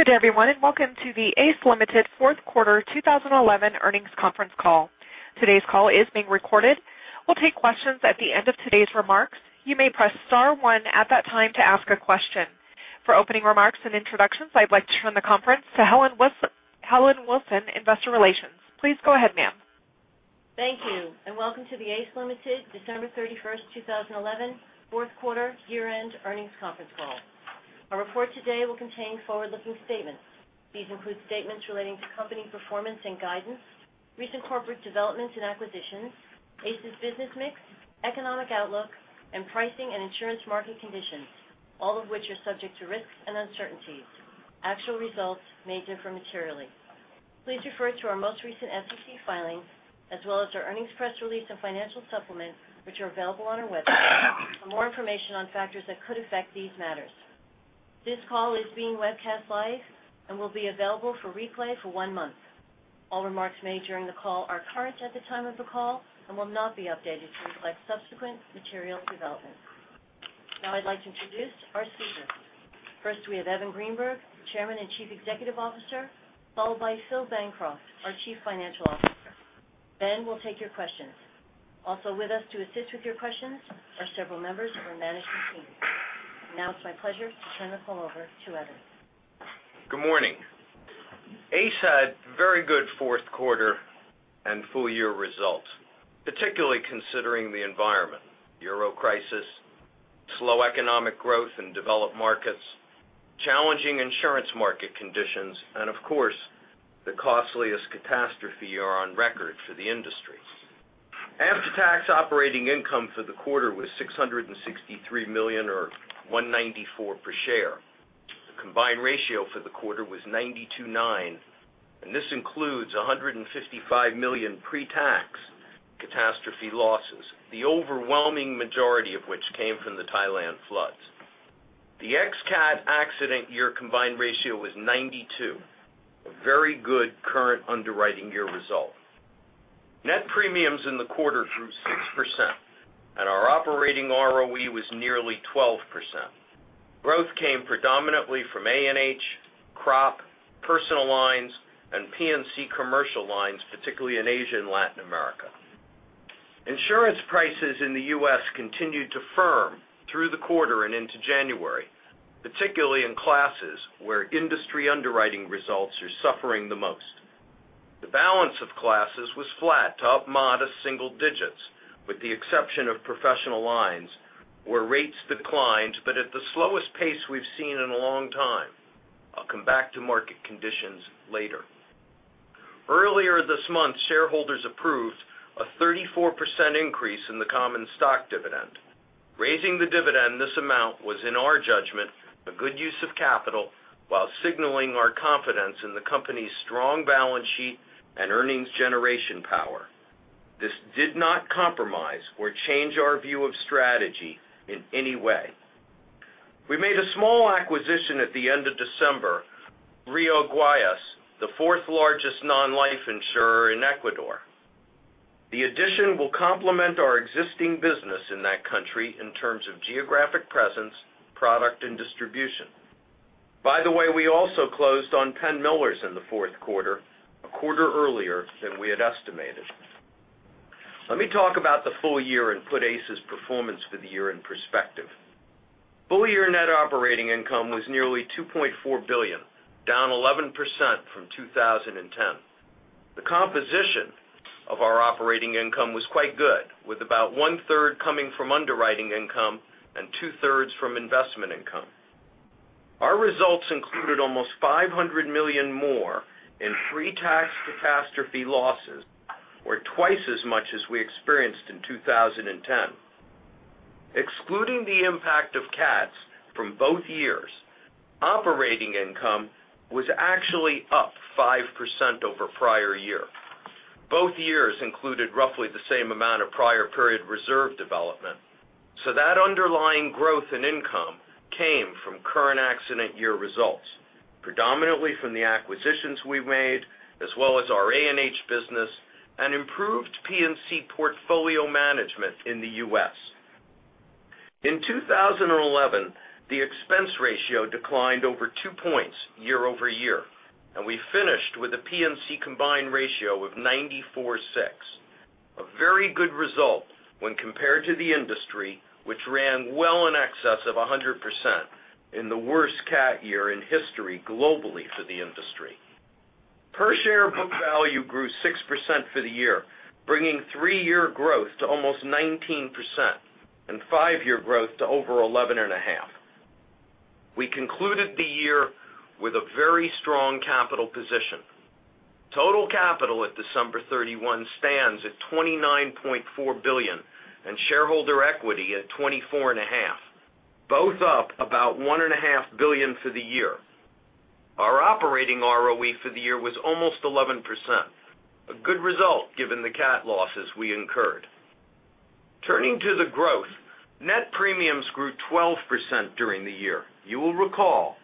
Good day everyone. Welcome to the ACE Limited fourth quarter 2011 earnings conference call. Today's call is being recorded. We'll take questions at the end of today's remarks. You may press star one at that time to ask a question. For opening remarks and introductions, I'd like to turn the conference to Helen Wilson, investor relations. Please go ahead, ma'am. Thank you. Welcome to the ACE Limited December 31st, 2011 fourth quarter year-end earnings conference call. Our report today will contain forward-looking statements. These include statements relating to company performance and guidance, recent corporate developments and acquisitions, ACE's business mix, economic outlook, and pricing and insurance market conditions, all of which are subject to risks and uncertainties. Actual results may differ materially. Please refer to our most recent SEC filings, as well as our earnings press release and financial supplement, which are available on our website for more information on factors that could affect these matters. This call is being webcast live and will be available for replay for one month. All remarks made during the call are current at the time of the call and will not be updated to reflect subsequent material developments. Now I'd like to introduce our speakers. First, we have Evan Greenberg, Chairman and Chief Executive Officer, followed by Phil Bancroft, our Chief Financial Officer. We'll take your questions. Also with us to assist with your questions are several members of our management team. Now it's my pleasure to turn the call over to Evan. Good morning. ACE had very good fourth quarter and full year results, particularly considering the environment, Euro crisis, slow economic growth in developed markets, challenging insurance market conditions, of course, the costliest catastrophe year on record for the industry. After-tax operating income for the quarter was $663 million or $1.94 per share. The combined ratio for the quarter was 92.9%. This includes $155 million pre-tax catastrophe losses, the overwhelming majority of which came from the Thailand floods. The ex-cat accident year combined ratio was 92%, a very good current underwriting year result. Net premiums in the quarter grew 6%. Our operating ROE was nearly 12%. Growth came predominantly from A&H, crop, personal lines, and P&C commercial lines, particularly in Asia and Latin America. Insurance prices in the U.S. continued to firm through the quarter and into January, particularly in classes where industry underwriting results are suffering the most. The balance of classes was flat to up modest single digits, with the exception of professional lines, where rates declined but at the slowest pace we've seen in a long time. I'll come back to market conditions later. Earlier this month, shareholders approved a 34% increase in the common stock dividend. Raising the dividend this amount was, in our judgment, a good use of capital while signaling our confidence in the company's strong balance sheet and earnings generation power. This did not compromise or change our view of strategy in any way. We made a small acquisition at the end of December, Rio Guayas, the fourth largest non-life insurer in Ecuador. The addition will complement our existing business in that country in terms of geographic presence, product, and distribution. By the way, we also closed on Penn Millers in the fourth quarter, a quarter earlier than we had estimated. Let me talk about the full year and put ACE's performance for the year in perspective. Full year net operating income was nearly $2.4 billion, down 11% from 2010. The composition of our operating income was quite good, with about one-third coming from underwriting income and two-thirds from investment income. Our results included almost $500 million more in free tax catastrophe losses or twice as much as we experienced in 2010. Excluding the impact of cats from both years, operating income was actually up 5% over prior year. Both years included roughly the same amount of prior period reserve development, that underlying growth in income came from current accident year results, predominantly from the acquisitions we made, as well as our A&H business and improved P&C portfolio management in the U.S. In 2011, the expense ratio declined over two points year-over-year, and we finished with a P&C combined ratio of 94.6%, a very good result when compared to the industry, which ran well in excess of 100% in the worst cat year in history globally for the industry. Per share book value grew 6% for the year, bringing three-year growth to almost 19% and five-year growth to over 11.5%. We concluded the year with a very strong capital position. Total capital at December 31 stands at $29.4 billion and shareholder equity at $24.5 billion, both up about $1.5 billion for the year. Our operating ROE for the year was almost 11%, a good result given the cat losses we incurred. Turning to the growth, net premiums grew 12% during the year. You will recall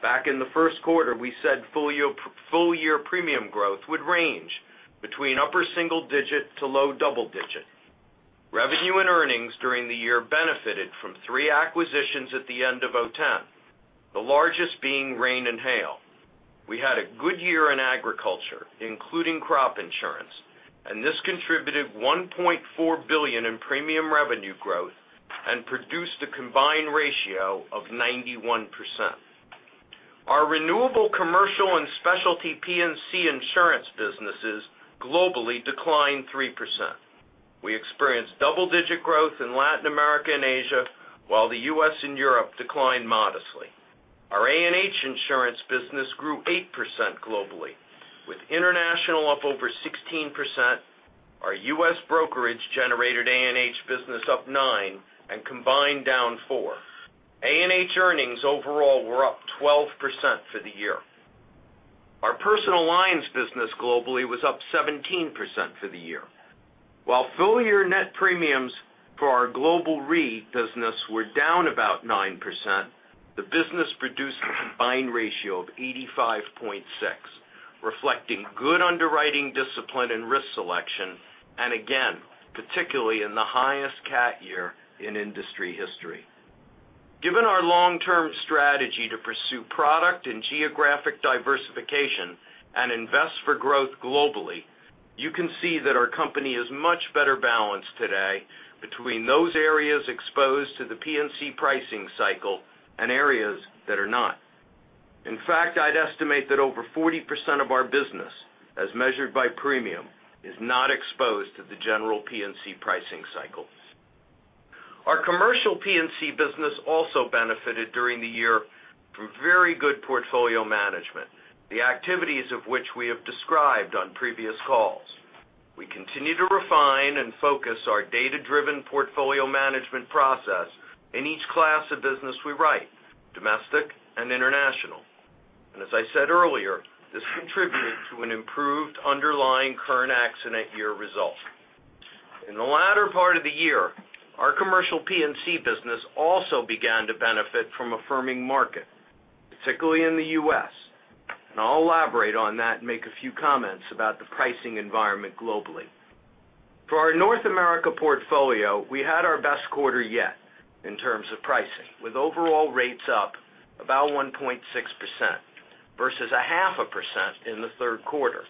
back in the first quarter, we said full year premium growth would range between upper single digit to low double digit. Revenue and earnings during the year benefited from three acquisitions at the end of 2010, the largest being Rain and Hail. We had a good year in agriculture, including crop insurance, and this contributed $1.4 billion in premium revenue growth and produced a combined ratio of 91%. Our renewable commercial and specialty P&C insurance businesses globally declined 3%. We experienced double-digit growth in Latin America and Asia, while the U.S. and Europe declined modestly. Our A&H insurance business grew 8% globally, with international up over 16%. Our U.S. brokerage-generated A&H business up 9% and combined down 4%. A&H earnings overall were up 12% for the year. Our personal lines business globally was up 17% for the year. While full-year net premiums for our global re business were down about 9%, the business produced a combined ratio of 85.6, reflecting good underwriting discipline and risk selection, and again, particularly in the highest cat year in industry history. Given our long-term strategy to pursue product and geographic diversification and invest for growth globally, you can see that our company is much better balanced today between those areas exposed to the P&C pricing cycle and areas that are not. In fact, I'd estimate that over 40% of our business, as measured by premium, is not exposed to the general P&C pricing cycle. Our commercial P&C business also benefited during the year from very good portfolio management, the activities of which we have described on previous calls. We continue to refine and focus our data-driven portfolio management process in each class of business we write, domestic and international. As I said earlier, this contributed to an improved underlying current accident year result. In the latter part of the year, our commercial P&C business also began to benefit from a firming market, particularly in the U.S. I'll elaborate on that and make a few comments about the pricing environment globally. For our North America portfolio, we had our best quarter yet in terms of pricing, with overall rates up about 1.6% versus a half a percent in the third quarter.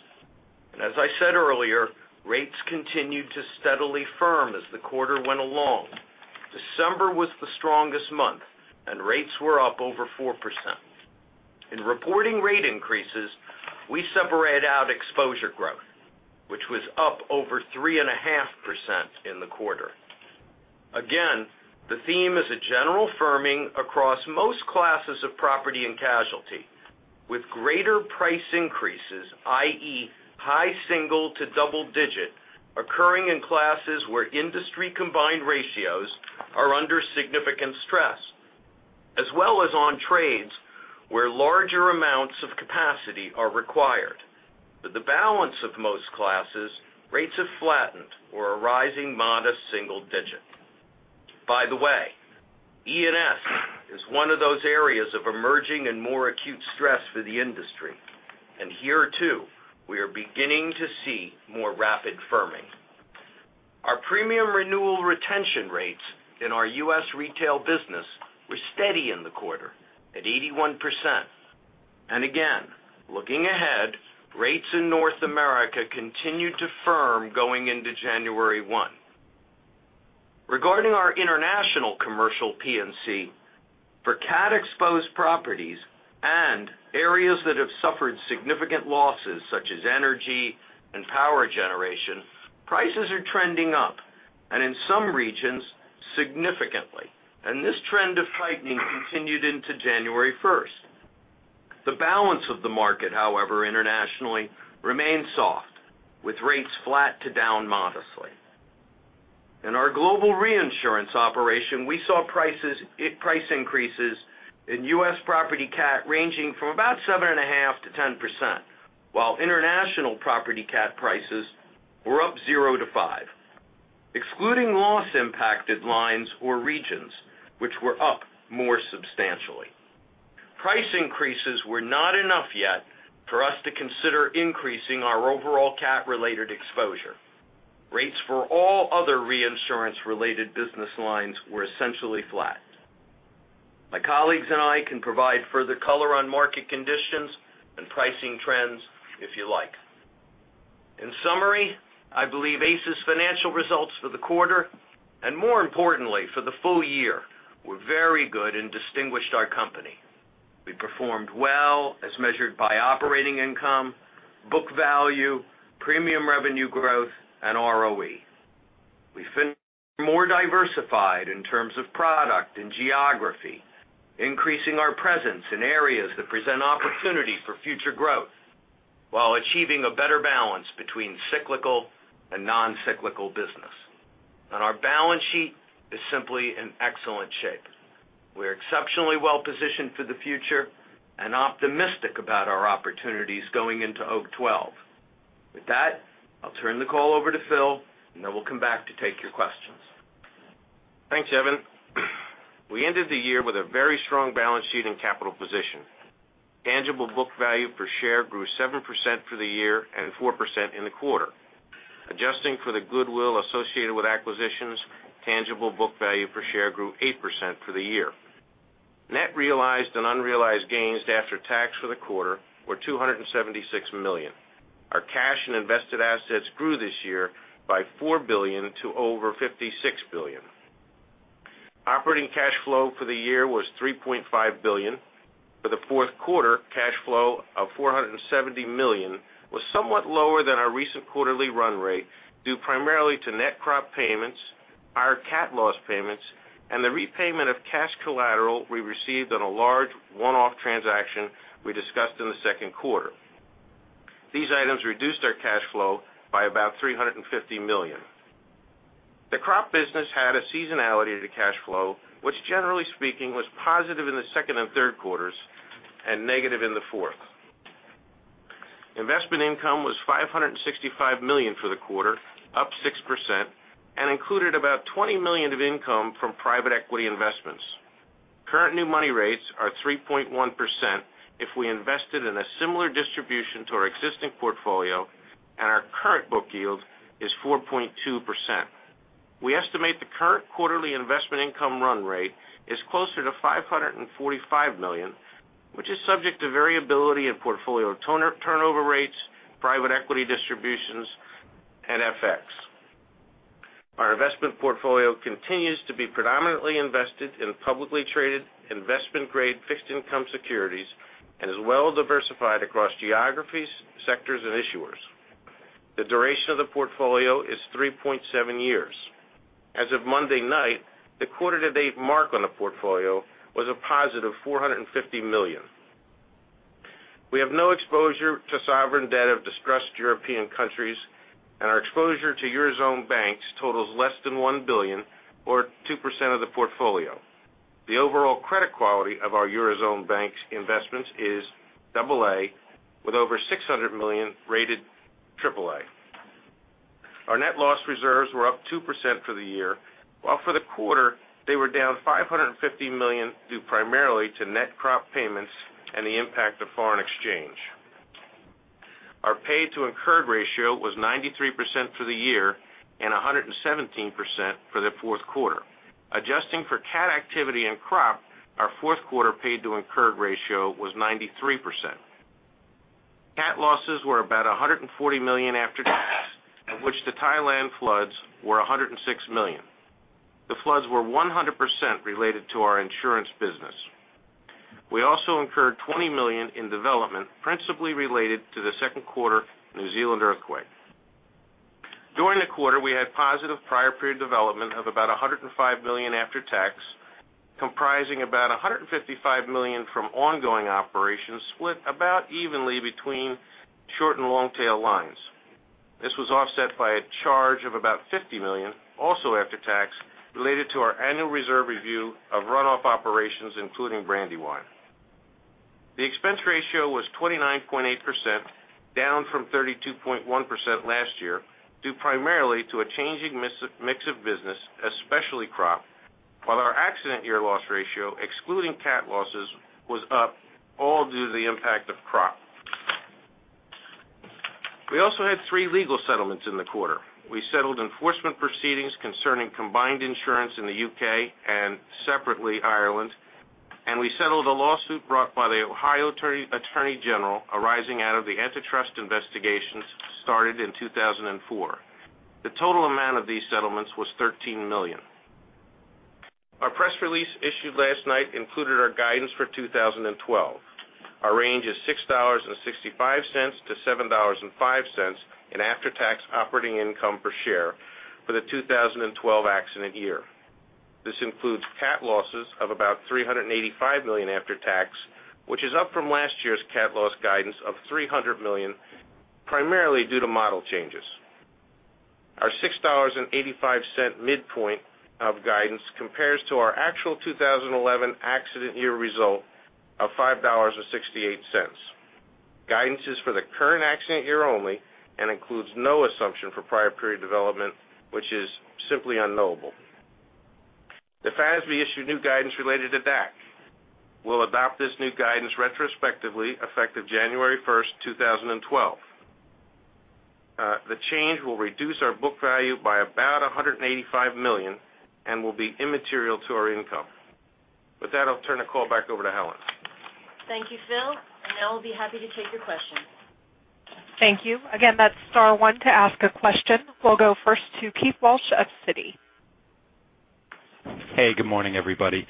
As I said earlier, rates continued to steadily firm as the quarter went along. December was the strongest month and rates were up over 4%. In reporting rate increases, we separate out exposure growth, which was up over 3.5% in the quarter. Again, the theme is a general firming across most classes of property and casualty, with greater price increases, i.e., high single to double digit, occurring in classes where industry combined ratios are under significant stress, as well as on trades where larger amounts of capacity are required. The balance of most classes, rates have flattened or are rising modest single digit. By the way, E&S is one of those areas of emerging and more acute stress for the industry. Here too, we are beginning to see more rapid firming. Our premium renewal retention rates in our U.S. retail business were steady in the quarter at 81%. Again, looking ahead, rates in North America continued to firm going into January one. Regarding our international commercial P&C, for cat-exposed properties and areas that have suffered significant losses such as energy and power generation, prices are trending up, and in some regions, significantly. This trend of tightening continued into January 1st. The balance of the market, however, internationally remains soft, with rates flat to down modestly. In our global reinsurance operation, we saw price increases in U.S. property cat ranging from about 7.5%-10%, while international property cat prices were up 0%-5%, excluding loss-impacted lines or regions which were up more substantially. Price increases were not enough yet for us to consider increasing our overall cat-related exposure. Rates for all other reinsurance-related business lines were essentially flat. My colleagues and I can provide further color on market conditions and pricing trends if you like. In summary, I believe ACE's financial results for the quarter, and more importantly for the full year, were very good and distinguished our company. We performed well as measured by operating income, book value, premium revenue growth, and ROE. We've been more diversified in terms of product and geography, increasing our presence in areas that present opportunities for future growth while achieving a better balance between cyclical and non-cyclical business. Our balance sheet is simply in excellent shape. We are exceptionally well positioned for the future and optimistic about our opportunities going into 2012. With that, I'll turn the call over to Phil, and then we'll come back to take your questions. Thanks, Evan. We ended the year with a very strong balance sheet and capital position. Tangible book value per share grew 7% for the year and 4% in the quarter. Adjusting for the goodwill associated with acquisitions, tangible book value per share grew 8% for the year. Net realized and unrealized gains after tax for the quarter were $276 million. Our cash and invested assets grew this year by $4 billion to over $56 billion. Operating cash flow for the year was $3.5 billion. For the fourth quarter, cash flow of $470 million was somewhat lower than our recent quarterly run rate, due primarily to net crop payments, our cat loss payments, and the repayment of cash collateral we received on a large one-off transaction we discussed in the second quarter. These items reduced our cash flow by about $350 million. The crop business had a seasonality to cash flow, which generally speaking, was positive in the second and third quarters and negative in the fourth. Investment income was $565 million for the quarter, up 6%, and included about $20 million of income from private equity investments. Current new money rates are 3.1% if we invested in a similar distribution to our existing portfolio, and our current book yield is 4.2%. We estimate the current quarterly investment income run rate is closer to $545 million, which is subject to variability in portfolio turnover rates, private equity distributions, and FX. Our investment portfolio continues to be predominantly invested in publicly traded investment-grade fixed income securities and is well diversified across geographies, sectors, and issuers. The duration of the portfolio is 3.7 years. As of Monday night, the quarter to date mark on the portfolio was a positive $450 million. We have no exposure to sovereign debt of distressed European countries. Our exposure to Eurozone banks totals less than $1 billion or 2% of the portfolio. The overall credit quality of our Eurozone banks investments is double A, with over $600 million rated triple A. Our net loss reserves were up 2% for the year, while for the quarter they were down $550 million due primarily to net crop payments and the impact of foreign exchange. Our paid to incurred ratio was 93% for the year and 117% for the fourth quarter. Adjusting for cat activity and crop, our fourth quarter paid to incurred ratio was 93%. Cat losses were about $140 million after tax, of which the Thailand floods were $106 million. The floods were 100% related to our insurance business. We also incurred $20 million in development, principally related to the second quarter New Zealand earthquake. During the quarter, we had positive prior period development of about $105 million after tax, comprising about $155 million from ongoing operations, split about evenly between short and long-tail lines. This was offset by a charge of about $50 million, also after tax related to our annual reserve review of runoff operations, including Brandywine. The expense ratio was 29.8%, down from 32.1% last year, due primarily to a changing mix of business, especially crop. While our accident year loss ratio, excluding cat losses, was up, all due to the impact of crop. We also had three legal settlements in the quarter. We settled enforcement proceedings concerning Combined Insurance in the U.K. and separately Ireland, and we settled a lawsuit brought by the Ohio Attorney General arising out of the antitrust investigations started in 2004. The total amount of these settlements was $13 million. Our press release issued last night included our guidance for 2012. Our range is $6.65 to $7.05 in after-tax operating income per share for the 2012 accident year. This includes cat losses of about $385 million after tax, which is up from last year's cat loss guidance of $300 million, primarily due to model changes. Our $6.85 midpoint of guidance compares to our actual 2011 accident year result of $5.68. Guidance is for the current accident year only, includes no assumption for prior period development, which is simply unknowable. The FASB issued new guidance related to DAC. We'll adopt this new guidance retrospectively, effective January 1st, 2012. The change will reduce our book value by about $185 million, will be immaterial to our income. With that, I'll turn the call back over to Helen. Thank you, Phil. Now we'll be happy to take your questions. Thank you. Again, that's star one to ask a question. We'll go first to Keith Walsh of Citi. Hey, good morning, everybody.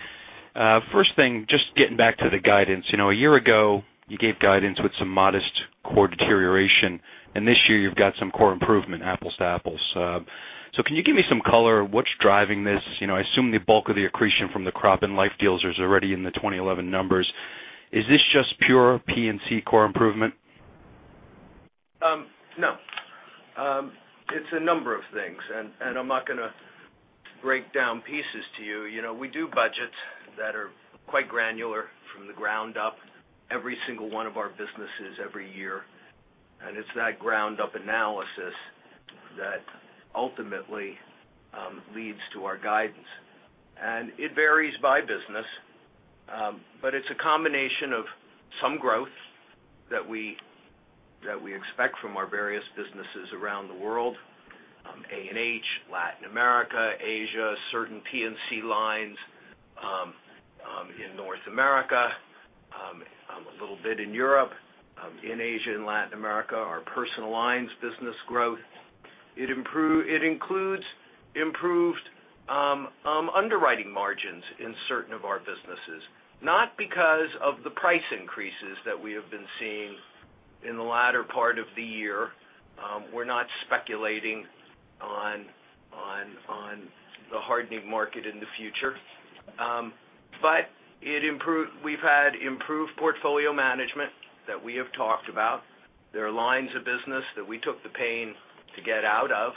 First thing, just getting back to the guidance. A year ago, you gave guidance with some modest core deterioration, and this year you've got some core improvement, apples to apples. Can you give me some color? What's driving this? I assume the bulk of the accretion from the crop and life deals is already in the 2011 numbers. Is this just pure P&C core improvement? No. It's a number of things, and I'm not going to break down pieces to you. We do budgets that are quite granular from the ground up, every single one of our businesses every year. It's that ground-up analysis that ultimately leads to our guidance. It varies by business, but it's a combination of some growth that we expect from our various businesses around the world, A&H, Latin America, Asia, certain P&C lines in North America, a little bit in Europe, in Asia and Latin America, our personal lines business growth. It includes improved underwriting margins in certain of our businesses, not because of the price increases that we have been seeing in the latter part of the year. We're not speculating on the hardening market in the future. We've had improved portfolio management that we have talked about. There are lines of business that we took the pain to get out of,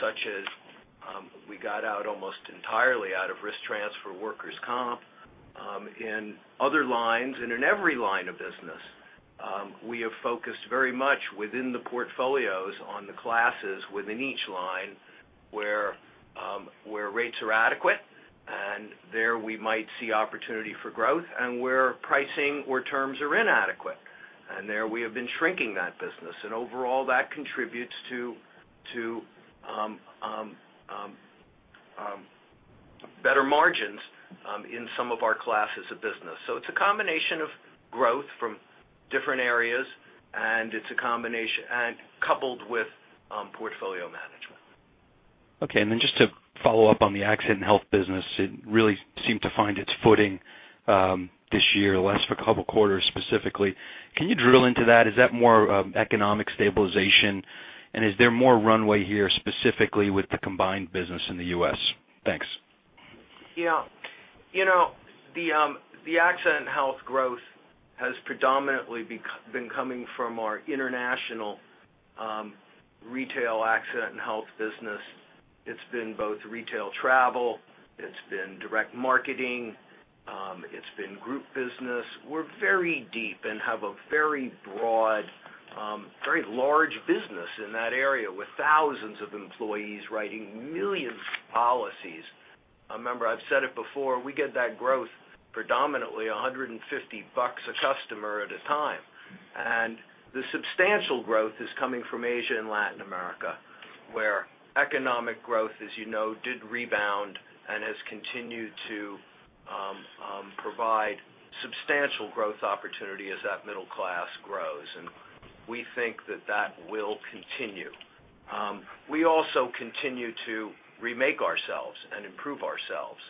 such as, we got out almost entirely out of risk transfer workers' comp. In other lines and in every line of business, we have focused very much within the portfolios on the classes within each line where rates are adequate, and there we might see opportunity for growth, and where pricing or terms are inadequate. There, we have been shrinking that business. Overall, that contributes to better margins in some of our classes of business. It's a combination of growth from different areas, and coupled with portfolio management. Okay, just to follow up on the Accident and Health business, it really seemed to find its footing this year, the last couple of quarters specifically. Can you drill into that? Is that more economic stabilization, and is there more runway here specifically with the Combined Business in the U.S.? Thanks. Yeah. The Accident and Health growth has predominantly been coming from our international retail Accident and Health business. It's been both retail travel, it's been direct marketing, it's been group business. We're very deep and have a very broad, very large business in that area, with thousands of employees writing millions of policies. Remember, I've said it before, we get that growth predominantly $150 a customer at a time. The substantial growth is coming from Asia and Latin America, where economic growth, as you know, did rebound and has continued to provide substantial growth opportunity as that middle class grows. We think that that will continue. We also continue to remake ourselves and improve ourselves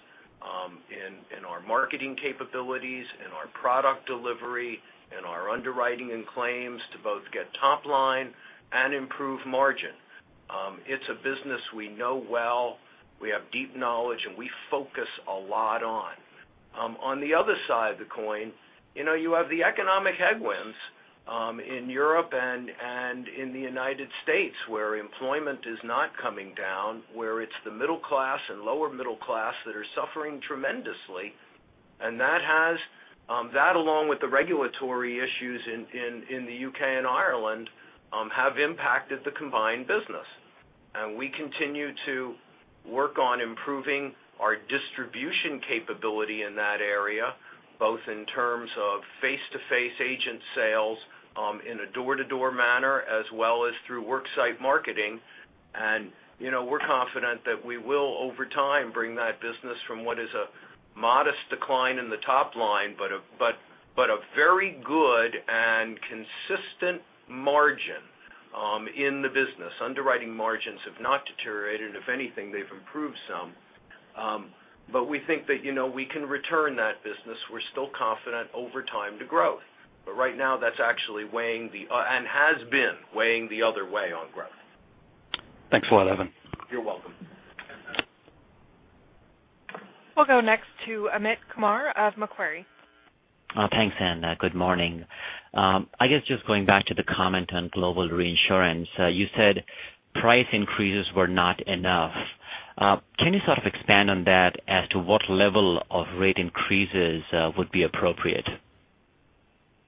in our marketing capabilities, in our product delivery, in our underwriting and claims to both get top line and improve margin. It's a business we know well, we have deep knowledge, and we focus a lot on. On the other side of the coin, you have the economic headwinds in Europe and in the U.S., where employment is not coming down, where it's the middle class and lower middle class that are suffering tremendously. That along with the regulatory issues in the U.K. and Ireland, have impacted the Combined Business. We continue to work on improving our distribution capability in that area, both in terms of face-to-face agent sales, in a door-to-door manner, as well as through work site marketing. We're confident that we will, over time, bring that business from what is a modest decline in the top line, but a very good and consistent margin in the business. Underwriting margins have not deteriorated. If anything, they've improved some. We think that we can return that business. We're still confident over time to growth. Right now, that's actually weighing and has been weighing the other way on growth. Thanks a lot, Evan. You're welcome. We'll go next to Amit Kumar of Macquarie. Thanks, Anna. Good morning. I guess just going back to the comment on global reinsurance, you said price increases were not enough. Can you sort of expand on that as to what level of rate increases would be appropriate?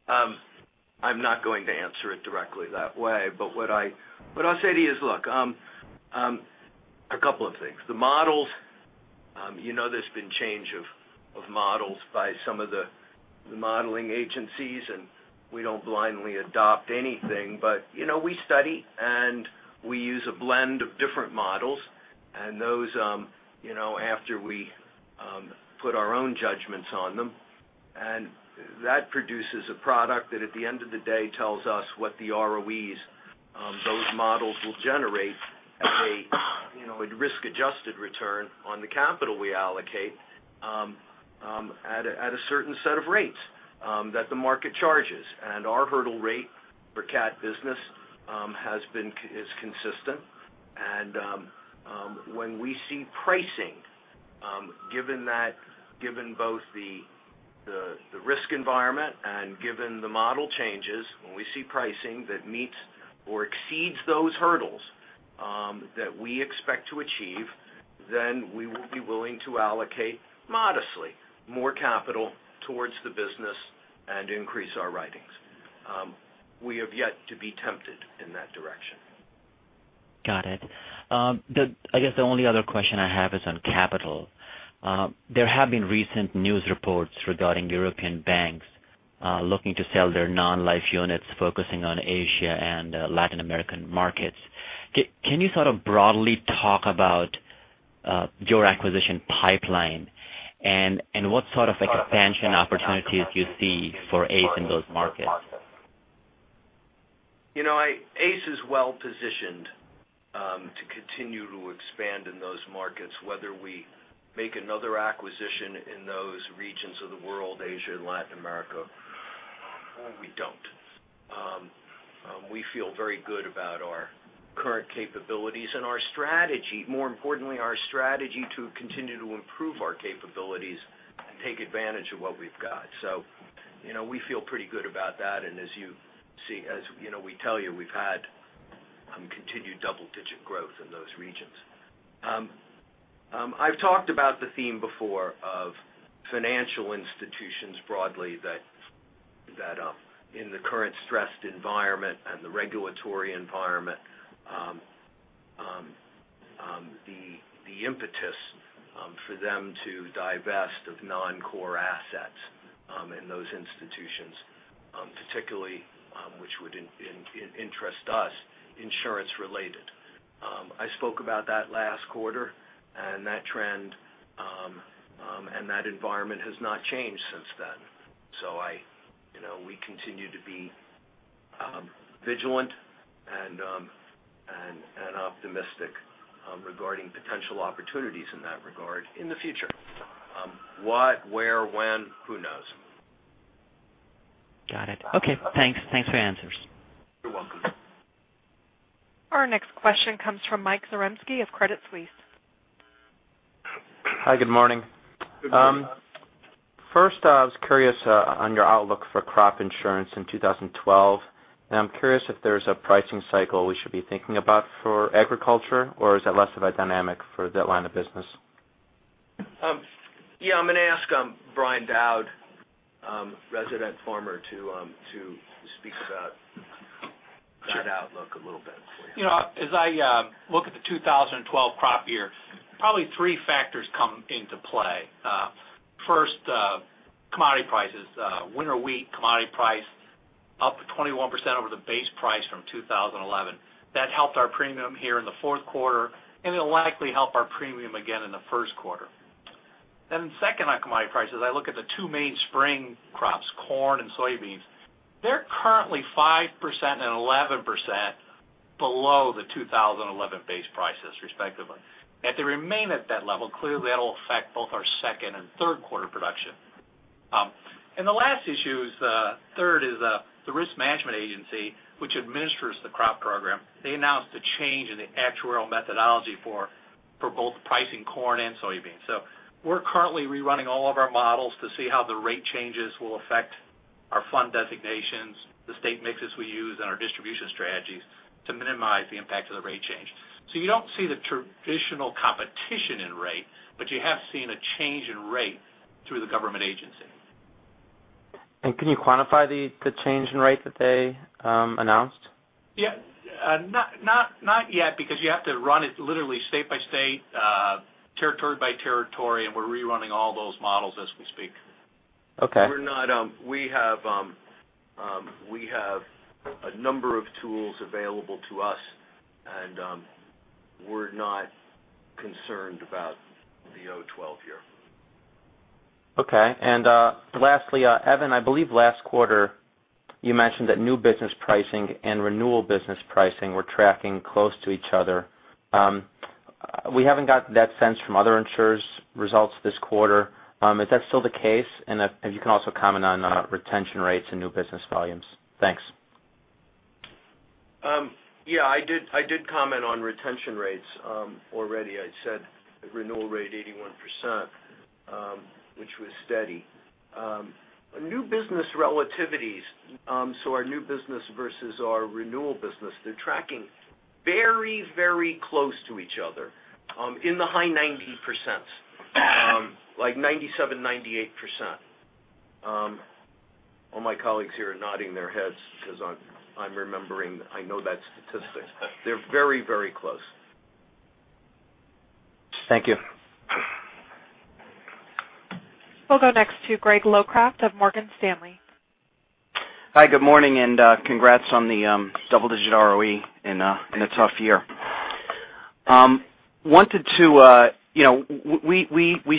I'm not going to answer it directly that way, what I'll say to you is, look, a couple of things. The models, there's been change of models by some of the modeling agencies, and we don't blindly adopt anything. We study, and we use a blend of different models, and those after we put our own judgments on them. That produces a product that at the end of the day, tells us what the ROEs those models will generate at a risk-adjusted return on the capital we allocate at a certain set of rates that the market charges. Our hurdle rate for CAT business is consistent. When we see pricing, given both the risk environment and given the model changes, when we see pricing that meets or exceeds those hurdles that we expect to achieve, we will be willing to allocate modestly more capital towards the business and increase our writings. We have yet to be tempted in that direction. Got it. I guess the only other question I have is on capital. There have been recent news reports regarding European banks looking to sell their non-life units focusing on Asia and Latin American markets. Can you sort of broadly talk about your acquisition pipeline and what sort of expansion opportunities you see for ACE in those markets? ACE is well positioned to continue to expand in those markets, whether we make another acquisition in those regions of the world, Asia and Latin America, or we don't. We feel very good about our current capabilities and our strategy. More importantly, our strategy to continue to improve our capabilities and take advantage of what we've got. We feel pretty good about that, as we tell you, we've had continued double-digit growth in those regions. I've talked about the theme before of financial institutions broadly that in the current stressed environment and the regulatory environment, the impetus for them to divest of non-core assets in those institutions, particularly which would interest us, insurance related. I spoke about that last quarter and that trend and that environment has not changed since then. We continue to be vigilant and optimistic regarding potential opportunities in that regard in the future. What, where, when, who knows? Got it. Okay, thanks for your answers. You're welcome. Our next question comes from Michael Zaremski of Credit Suisse. Hi, good morning. Good morning. First, I was curious on your outlook for crop insurance in 2012, and I'm curious if there's a pricing cycle we should be thinking about for agriculture, or is it less of a dynamic for that line of business? Yeah, I'm going to ask Brian Dowd, resident farmer, to speak about that outlook a little bit for you. As I look at the 2012 crop year, probably three factors come into play. First, commodity prices. Winter wheat commodity price up 21% over the base price from 2011. That helped our premium here in the fourth quarter, and it'll likely help our premium again in the first quarter. Second on commodity prices, I look at the two main spring crops, corn and soybeans. They're currently 5% and 11% below the 2011 base prices, respectively. If they remain at that level, clearly that'll affect both our second and third quarter production. The last issue is, third, is the Risk Management Agency, which administers the crop program. They announced a change in the actuarial methodology for both pricing corn and soybeans. We're currently rerunning all of our models to see how the rate changes will affect our fund designations, the state mixes we use, and our distribution strategies to minimize the impact of the rate change. You don't see the traditional competition in rate, but you have seen a change in rate through the government agency. Can you quantify the change in rate that they announced? Not yet because you have to run it literally state by state, territory by territory, and we're rerunning all those models as we speak. Okay. We have a number of tools available to us, we're not concerned about the 2012 year. Lastly, Evan, I believe last quarter you mentioned that new business pricing and renewal business pricing were tracking close to each other. We haven't got that sense from other insurers' results this quarter. Is that still the case? If you can also comment on retention rates and new business volumes. Thanks. Yeah, I did comment on retention rates already. I said the renewal rate 81%, which was steady. New business relativities, so our new business versus our renewal business, they're tracking very close to each other, in the high 90%, like 97%, 98%. All my colleagues here are nodding their heads because I'm remembering I know that statistic. They're very close. Thank you. We'll go next to Greg Locraft of Morgan Stanley. Hi, good morning. Congrats on the double-digit ROE in a tough year. We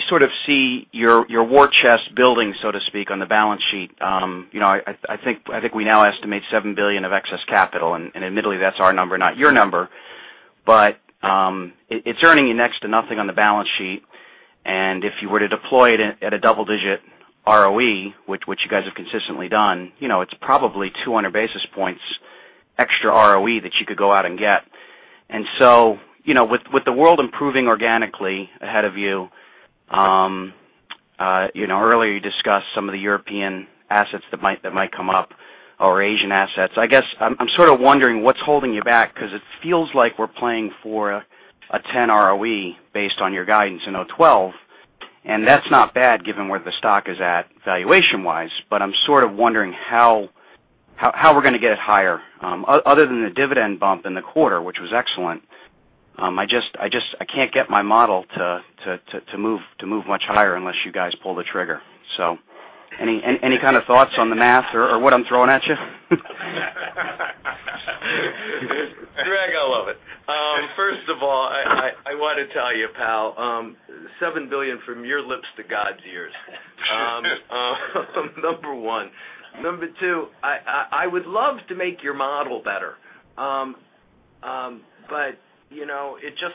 sort of see your war chest building, so to speak, on the balance sheet. I think we now estimate $7 billion of excess capital. Admittedly, that's our number, not your number. It's earning you next to nothing on the balance sheet, and if you were to deploy it at a double-digit ROE, which you guys have consistently done, it's probably 200 basis points extra ROE that you could go out and get. With the world improving organically ahead of you. Earlier, you discussed some of the European assets that might come up or Asian assets. I'm sort of wondering what's holding you back, because it feels like we're playing for a 10 ROE based on your guidance in 2012. That's not bad given where the stock is at valuation-wise. I'm sort of wondering how we're going to get it higher other than the dividend bump in the quarter, which was excellent. I can't get my model to move much higher unless you guys pull the trigger. Any kind of thoughts on the math or what I'm throwing at you? Greg, I love it. First of all, I want to tell you, pal, $7 billion from your lips to God's ears. Number one. Number two, I would love to make your model better.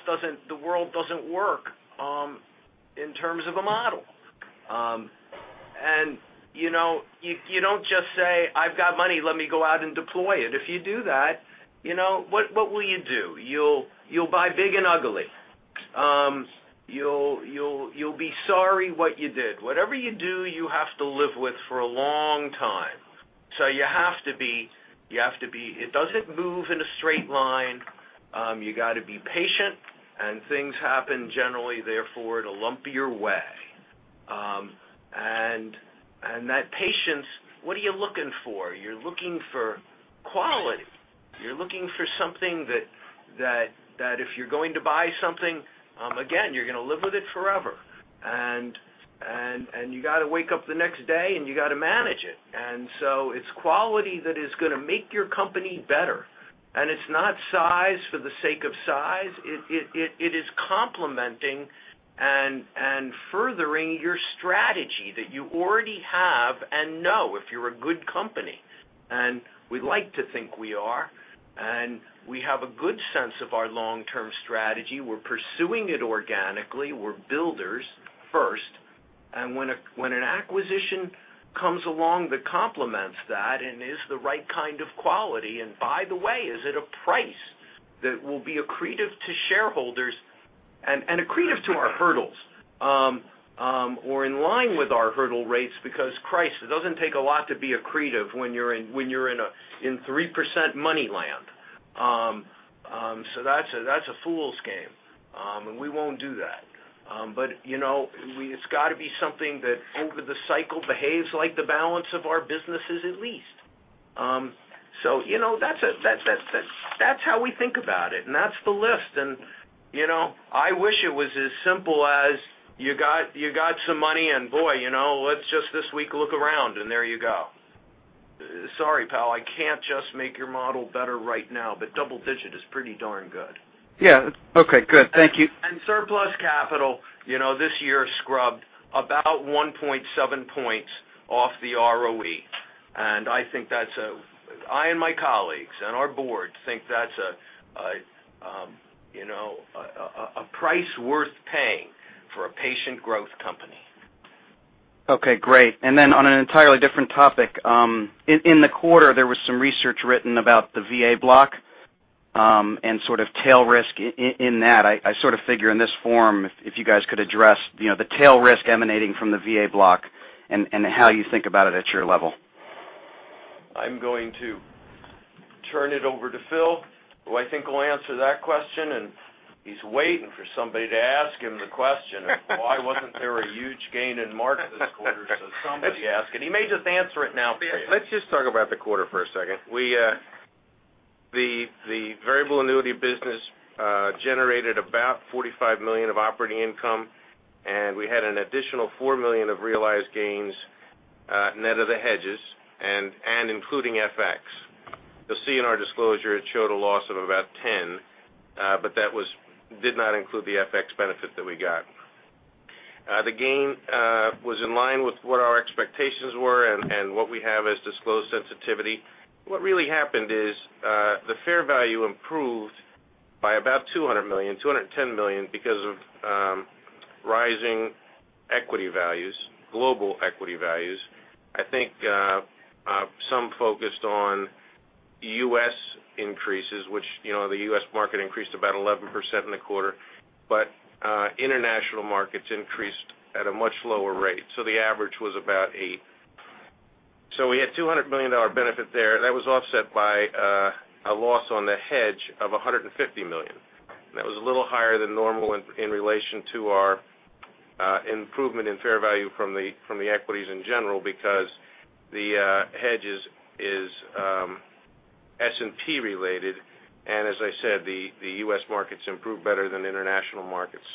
The world doesn't work in terms of a model. You don't just say, "I've got money, let me go out and deploy it." If you do that, what will you do? You'll buy big and ugly. You'll be sorry what you did. Whatever you do, you have to live with for a long time. It doesn't move in a straight line. You got to be patient, and things happen generally, therefore, in a lumpier way. That patience, what are you looking for? You're looking for quality. You're looking for something that if you're going to buy something, again, you're going to live with it forever, and you got to wake up the next day, and you got to manage it. It's quality that is going to make your company better. It's not size for the sake of size. It is complementing and furthering your strategy that you already have and know if you're a good company. We like to think we are, and we have a good sense of our long-term strategy. We're pursuing it organically. We're builders first. When an acquisition comes along that complements that and is the right kind of quality, and by the way, is at a price that will be accretive to shareholders and accretive to our hurdles or in line with our hurdle rates, because it doesn't take a lot to be accretive when you're in 3% money land. That's a fool's game, and we won't do that. It's got to be something that over the cycle behaves like the balance of our businesses, at least. That's how we think about it, and that's the list. I wish it was as simple as you got some money and boy, let's just this week look around, and there you go. Sorry, pal, I can't just make your model better right now, but double-digit is pretty darn good. Yeah. Okay, good. Thank you. Surplus capital this year scrubbed about 1.7 points off the ROE. I and my colleagues and our board think that's a price worth paying for a patient growth company. Okay, great. On an entirely different topic. In the quarter, there was some research written about the VA block and sort of tail risk in that. I sort of figure in this form, if you guys could address the tail risk emanating from the VA block and how you think about it at your level. I'm going to turn it over to Phil, who I think will answer that question, and he's waiting for somebody to ask him the question of why wasn't there a huge gain in March this quarter. Somebody ask, and he may just answer it now for you. Let's just talk about the quarter for a second. The variable annuity business generated about $45 million of operating income, and we had an additional $4 million of realized gains net of the hedges and including FX. You'll see in our disclosure, it showed a loss of about $10, but that did not include the FX benefit that we got. The gain was in line with what our expectations were and what we have as disclosed sensitivity. What really happened is the fair value improved by about $210 million because of rising global equity values. I think some focused on U.S. increases, which the U.S. market increased about 11% in the quarter, but international markets increased at a much lower rate. The average was about eight. We had a $200 million benefit there. That was offset by a loss on the hedge of $150 million. That was a little higher than normal in relation to our improvement in fair value from the equities in general because the hedge is S&P related. As I said, the U.S. markets improved better than international markets.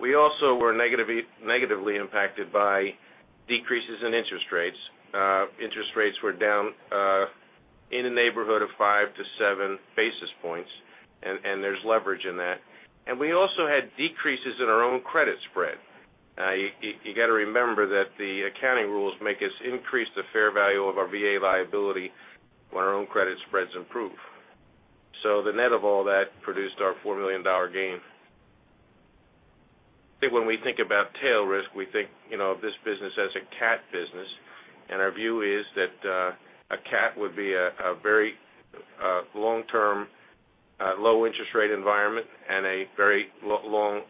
We also were negatively impacted by decreases in interest rates. Interest rates were down in the neighborhood of five to seven basis points, and there's leverage in that. We also had decreases in our own credit spread. You got to remember that the accounting rules make us increase the fair value of our VA liability when our own credit spreads improve. The net of all that produced our $4 million gain. When we think about tail risk, we think of this business as a cat business, and our view is that a cat would be a very long-term A low interest rate environment and a very long-term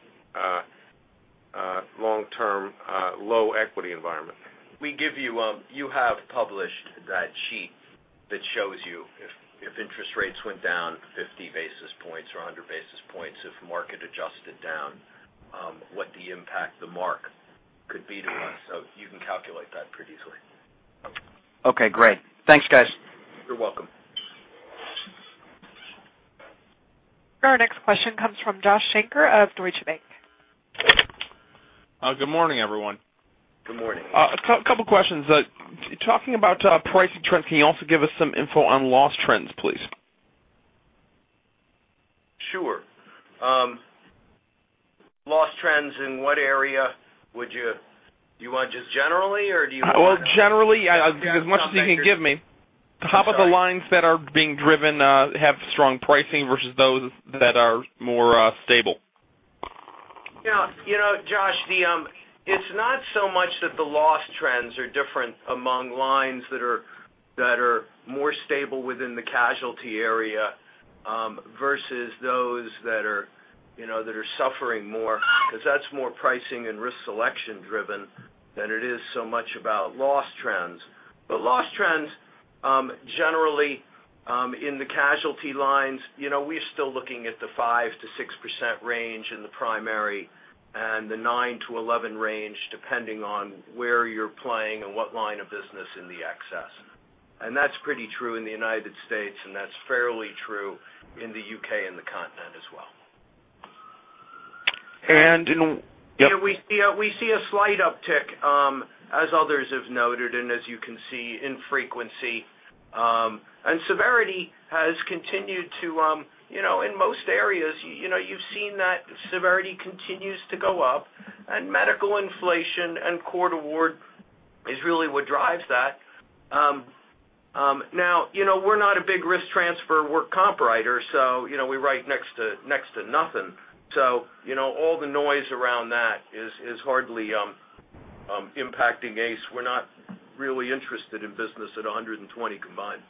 low equity environment. We give you. You have published that sheet that shows you if interest rates went down 50 basis points or 100 basis points, if market adjusted down, what the impact the mark could be to us. You can calculate that pretty easily. Okay, great. Thanks, guys. You're welcome. Our next question comes from Joshua Shanker of Deutsche Bank. Good morning, everyone. Good morning. A couple questions. Talking about pricing trends, can you also give us some info on loss trends, please? Sure. Loss trends, in what area do you want just generally or do you want? Generally, as much as you can give me. Top of the lines that are being driven have strong pricing versus those that are more stable. Josh, it's not so much that the loss trends are different among lines that are more stable within the casualty area, versus those that are suffering more, because that's more pricing and risk selection driven than it is so much about loss trends. Loss trends, generally, in the casualty lines, we're still looking at the 5%-6% range in the primary and the 9%-11% range depending on where you're playing and what line of business in the excess. That's pretty true in the United States, and that's fairly true in the U.K. and the Continent as well. And- We see a slight uptick, as others have noted and as you can see, in frequency. Severity has continued to, in most areas, you've seen that severity continues to go up, and medical inflation and court award is really what drives that. We're not a big risk transfer work comp writer, so we write next to nothing. All the noise around that is hardly impacting ACE. We're not really interested in business at 120 combined.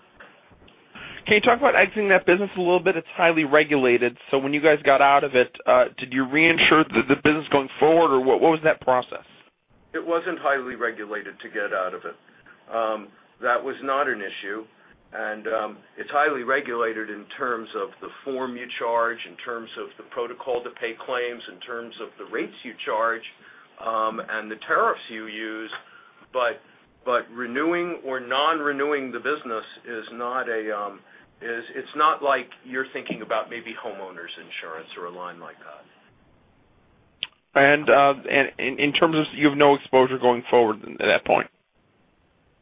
Can you talk about exiting that business a little bit? It's highly regulated, so when you guys got out of it, did you reinsure the business going forward or what was that process? It wasn't highly regulated to get out of it. That was not an issue. It's highly regulated in terms of the form you charge, in terms of the protocol to pay claims, in terms of the rates you charge, and the tariffs you use. Renewing or non-renewing the business, it's not like you're thinking about maybe homeowners insurance or a line like that. You have no exposure going forward at that point.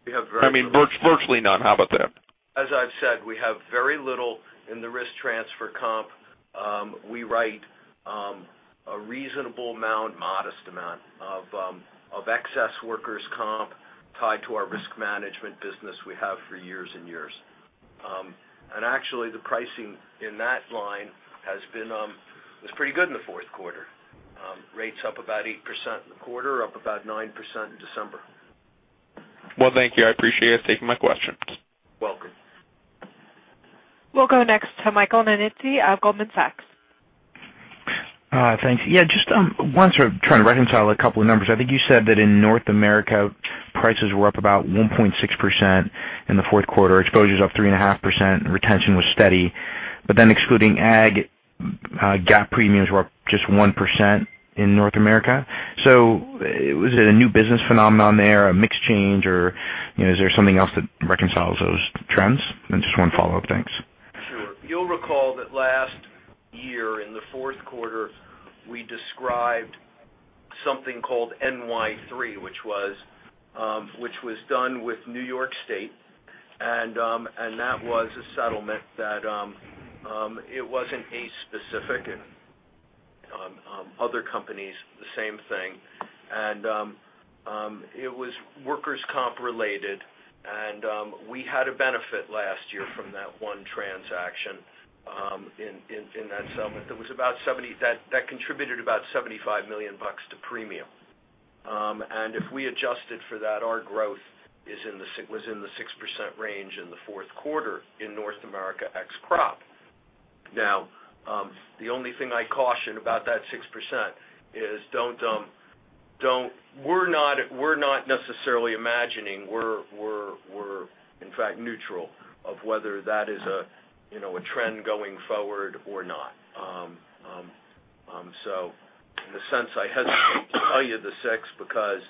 We have very- Virtually none. How about that? As I've said, we have very little in the risk transfer comp. We write a reasonable amount, modest amount of excess workers' comp tied to our risk management business we have for years and years. Actually, the pricing in that line was pretty good in the fourth quarter. Rates up about 8% in the quarter, up about 9% in December. Well, thank you. I appreciate you taking my question. Welcome. We'll go next to Michael Nannizzi of Goldman Sachs. Thanks. Yeah, just once we're trying to reconcile a couple of numbers, I think you said that in North America, prices were up about 1.6% in the fourth quarter, exposures up 3.5%, retention was steady. Excluding AG, GAAP premiums were up just 1% in North America. Was it a new business phenomenon there, a mix change, or is there something else that reconciles those trends? Just one follow-up, thanks. Sure. You'll recall that last year in the fourth quarter, we described something called NY-3, which was done with New York State, and that was a settlement that it wasn't ACE specific. Other companies, the same thing. It was workers' comp related, and we had a benefit last year from that one transaction in that settlement. That contributed about $75 million to premium. If we adjusted for that, our growth was in the 6% range in the fourth quarter in North America ex crop. The only thing I caution about that 6% is we're not necessarily imagining. We're, in fact, neutral of whether that is a trend going forward or not. In the sense, I hesitate to tell you the six because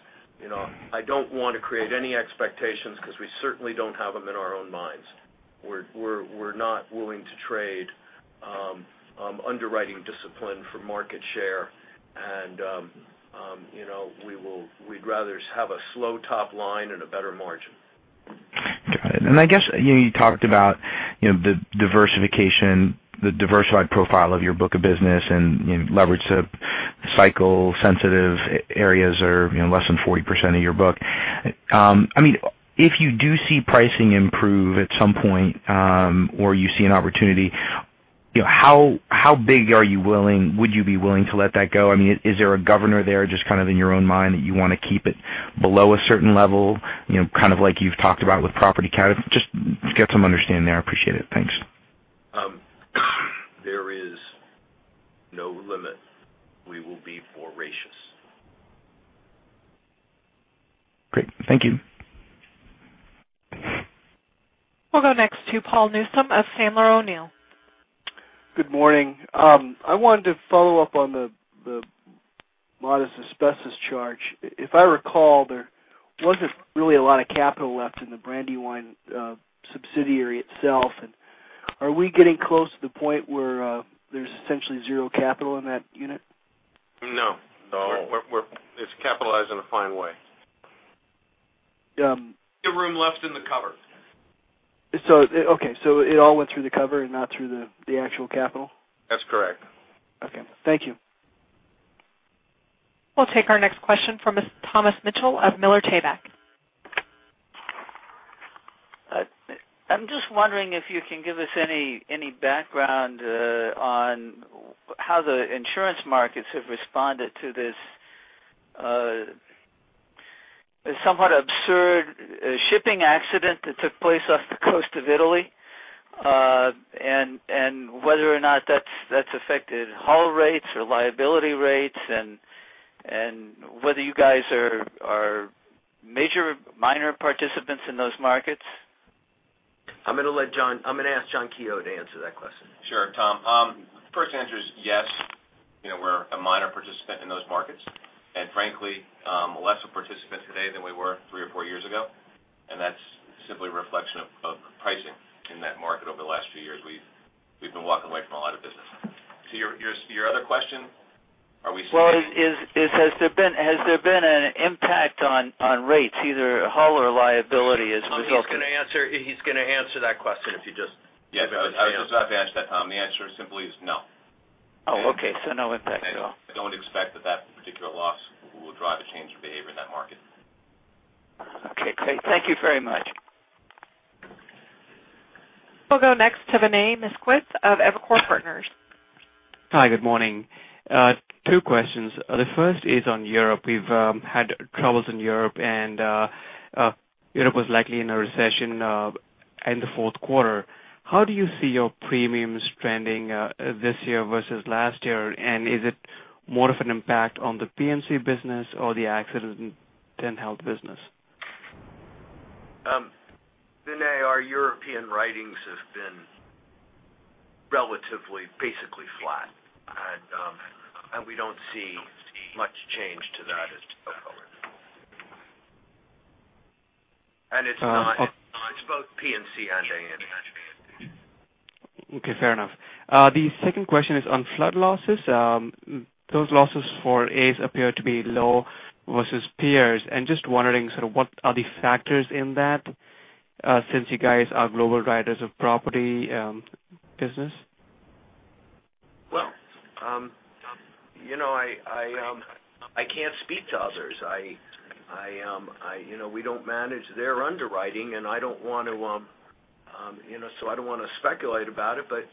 I don't want to create any expectations because we certainly don't have them in our own minds. We're not willing to trade underwriting discipline for market share, we'd rather have a slow top line and a better margin. Got it. I guess, you talked about the diversification, the diversified profile of your book of business and leverage the cycle sensitive areas are less than 40% of your book. If you do see pricing improve at some point or you see an opportunity, how big would you be willing to let that go? Is there a governor there just kind of in your own mind that you want to keep it below a certain level, kind of like you've talked about with property casualty? Just get some understanding there. I appreciate it. Thanks. Great. Thank you. We'll go next to Paul Newsome of Sandler O'Neill. Good morning. I wanted to follow up on the modest asbestos charge. If I recall, there wasn't really a lot of capital left in the Brandywine subsidiary itself. Are we getting close to the point where there's essentially zero capital in that unit? No. It's capitalized in a fine way. Yeah. We have room left in the cover. Okay. It all went through the cover and not through the actual capital? That's correct. Okay. Thank you. We'll take our next question from Thomas Mitchell of Miller Tabak. I'm just wondering if you can give us any background on how the insurance markets have responded to this somewhat absurd shipping accident that took place off the coast of Italy, and whether or not that's affected hull rates or liability rates, and whether you guys are major or minor participants in those markets. I'm going to ask John Keogh to answer that question. Sure, Tom. First answer is yes, we're a minor participant in those markets and frankly, less of a participant today than we were three or four years ago, and that's simply a reflection of pricing in that market over the last few years. We've been walking away from a lot of business. Your other question, are we seeing- Well, has there been an impact on rates, either hull or liability as a result of- Tom, he's going to answer that question, if you just give him a second. Yes, I was about to answer that, Tom. The answer simply is no. Okay. No impact at all. Don't expect that that particular loss will drive a change of behavior in that market. Okay, great. Thank you very much. We'll go next to Vinay Misquith of Evercore Partners. Hi, good morning. Two questions. The first is on Europe. We've had troubles in Europe, and Europe was likely in a recession in the fourth quarter. How do you see your premiums trending this year versus last year? Is it more of an impact on the P&C business or the accident and health business? Vinay, our European writings have been relatively, basically flat. We don't see much change to that as we go forward. It's both P&C and A&H. Okay, fair enough. The second question is on flood losses. Those losses for ACE appear to be low versus peers. Just wondering sort of what are the factors in that, since you guys are global writers of property business? Well, I can't speak to others. We don't manage their underwriting, so I don't want to speculate about it, but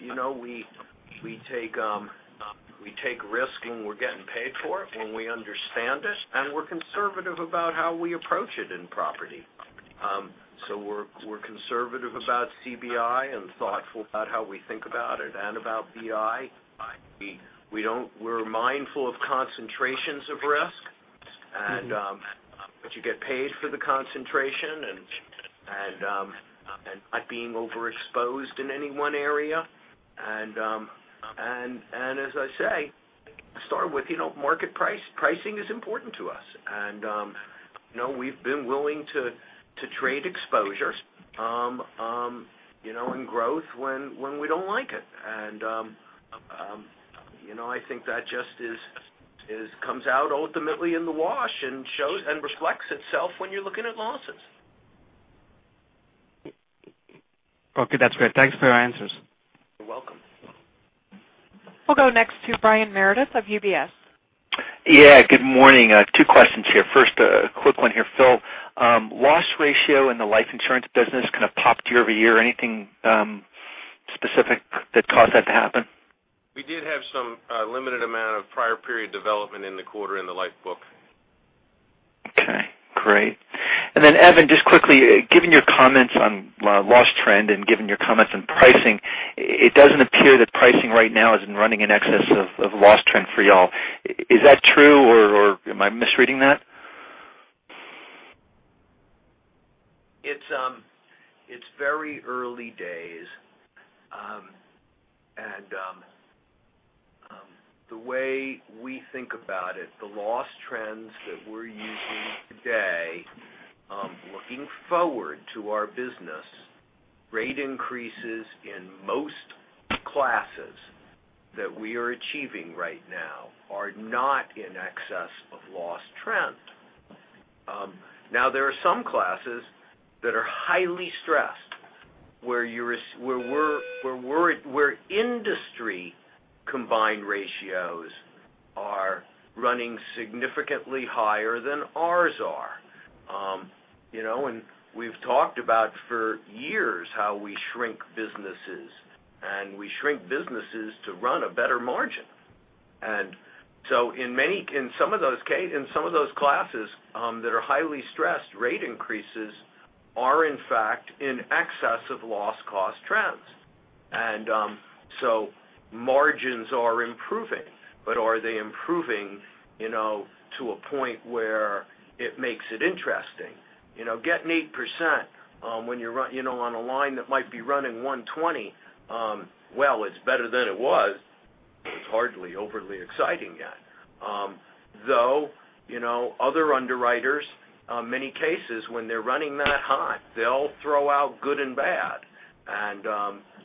we take risk when we're getting paid for it, when we understand it. We're conservative about how we approach it in property. So we're conservative about CBI. Thoughtful about how we think about it. About BI. We're mindful of concentrations of risk. You get paid for the concentration and not being overexposed in any one area. As I say, to start with, market pricing is important to us. We've been willing to trade exposures and growth when we don't like it. I think that just comes out ultimately in the wash and shows and reflects itself when you're looking at losses. Okay, that's great. Thanks for your answers. You're welcome. We'll go next to Brian Meredith of UBS. Good morning. Two questions here. First, a quick one here, Phil. Loss ratio in the life insurance business kind of popped year-over-year. Anything specific that caused that to happen? We did have some limited amount of prior period development in the quarter in the life book. Okay. Great. Evan, just quickly, given your comments on loss trend and given your comments on pricing, it doesn't appear that pricing right now is running in excess of loss trend for you all. Is that true, or am I misreading that? It's very early days. The way we think about it, the loss trends that we're using today looking forward to our business, rate increases in most classes that we are achieving right now are not in excess of loss trend. There are some classes that are highly stressed, where industry combined ratios are running significantly higher than ours are. We've talked about for years how we shrink businesses, and we shrink businesses to run a better margin. In some of those classes that are highly stressed, rate increases are in fact in excess of loss cost trends. Margins are improving, are they improving to a point where it makes it interesting? Getting 8% on a line that might be running 120%, well, it's better than it was. It's hardly overly exciting yet. Other underwriters, many cases when they're running that hot, they'll throw out good and bad.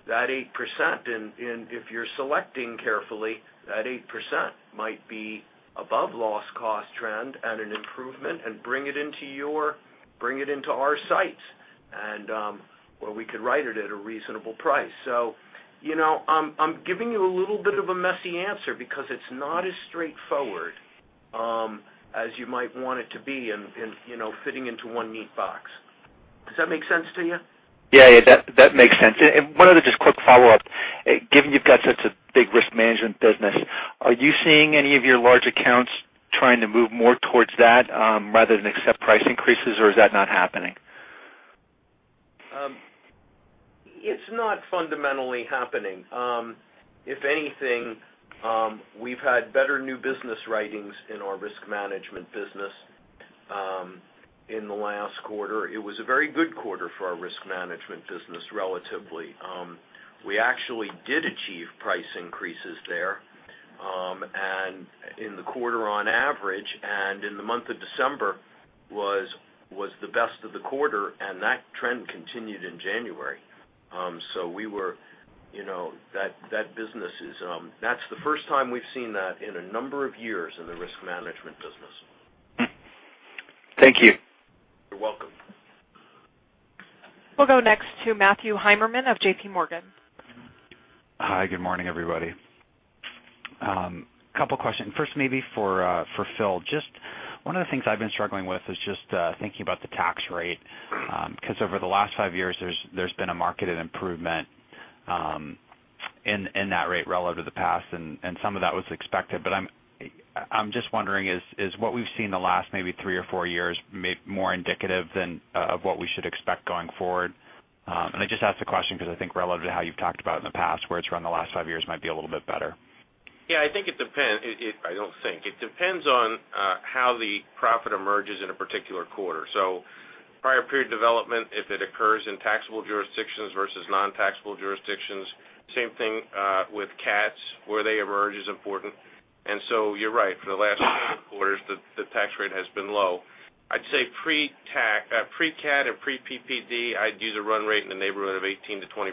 That 8%, if you're selecting carefully, that 8% might be above loss cost trend and an improvement and bring it into our sites, where we could write it at a reasonable price. I'm giving you a little bit of a messy answer because it's not as straightforward as you might want it to be in fitting into one neat box. Does that make sense to you? Yeah, that makes sense. One other just quick follow-up. Given you've got such a big Risk Management business, are you seeing any of your large accounts trying to move more towards that, rather than accept price increases, or is that not happening? It's not fundamentally happening. If anything, we've had better new business writings in our Risk Management business in the last quarter. It was a very good quarter for our Risk Management business, relatively. We actually did achieve price increases there, and in the quarter on average, and in the month of December was the best of the quarter, and that trend continued in January. That's the first time we've seen that in a number of years in the Risk Management business. Thank you. You're welcome. We'll go next to Matthew Heimermann of JPMorgan. Hi, good morning, everybody. Couple questions. First, maybe for Phil. Just one of the things I've been struggling with is just thinking about the tax rate, because over the last five years, there's been a marked improvement in that rate relative to the past, and some of that was expected. I'm just wondering, is what we've seen the last maybe three or four years more indicative of what we should expect going forward? I just ask the question because I think relative to how you've talked about in the past, where it's run the last five years might be a little bit better. I think it depends. It depends on how the profit emerges in a particular quarter. Prior period development, if it occurs in taxable jurisdictions versus non-taxable jurisdictions, same thing with cats, where they emerge is important. You're right. For the last few quarters, the tax rate has been low. I'd say pre-cat and pre-PPD, I'd use a run rate in the neighborhood of 18%-20%.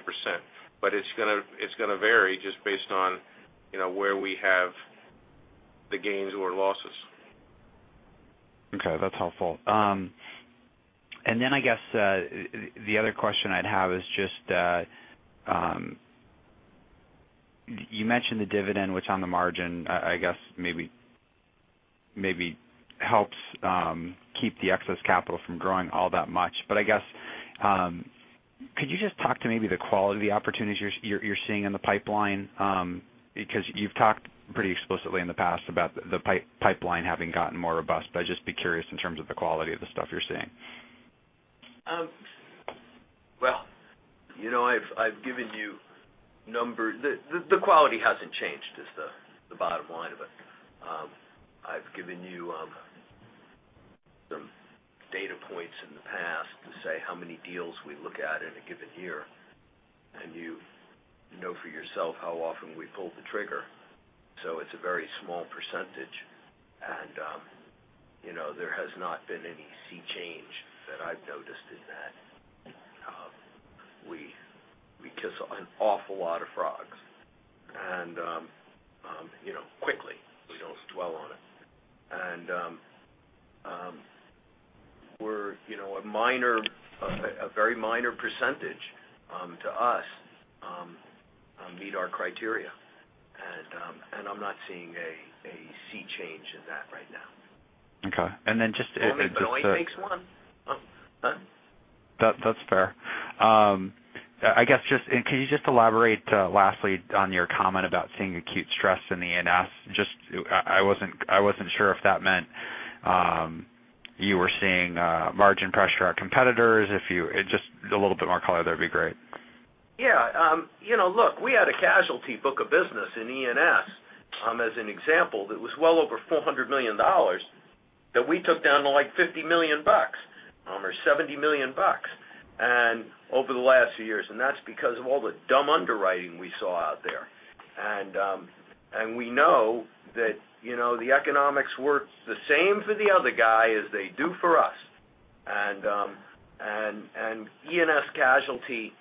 It's going to vary just based on where we have the gains or losses. Okay. That's helpful. I guess the other question I'd have is just, you mentioned the dividend, which on the margin, I guess maybe helps keep the excess capital from growing all that much. I guess, could you just talk to maybe the quality of the opportunities you're seeing in the pipeline? You've talked pretty explicitly in the past about the pipeline having gotten more robust, but I'd just be curious in terms of the quality of the stuff you're seeing. I've given you numbers. The quality hasn't changed is the bottom line of it. I've given you some data points in the past to say how many deals we look at in a given year, and you know for yourself how often we pull the trigger. It's a very small percentage. There has not been any sea change that I've noticed in that. We kiss an awful lot of frogs and quickly. We don't dwell on it. A very minor percentage to us meet our criteria. I'm not seeing a sea change in that right now. Okay. Only takes one. Huh? That's fair. I guess just, could you just elaborate lastly on your comment about seeing acute stress in the E&S? I wasn't sure if that meant you were seeing margin pressure on competitors. A little bit more color there'd be great. Yeah. Look, we had a casualty book of business in E&S, as an example, that was well over $400 million that we took down to like $50 million or $70 million over the last few years. That's because of all the dumb underwriting we saw out there. We know that the economics works the same for the other guy as they do for us. E&S Casualty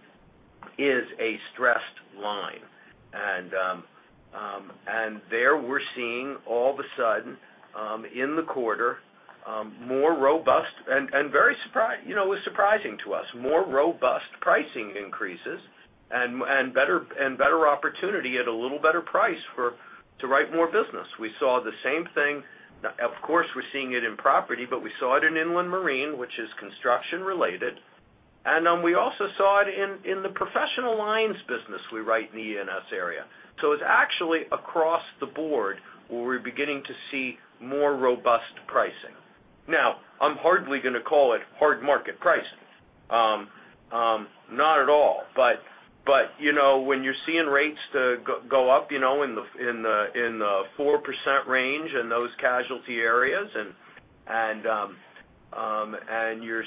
is a stressed line. There we're seeing all of a sudden, in the quarter, more robust and it was surprising to us, more robust pricing increases and better opportunity at a little better price to write more business. We saw the same thing, of course we're seeing it in property, but we saw it in inland marine, which is construction related. We also saw it in the professional lines business we write in the E&S area. It's actually across the board where we're beginning to see more robust pricing. Now, I'm hardly going to call it hard market pricing. Not at all. When you're seeing rates go up in the 4% range in those casualty areas, and you're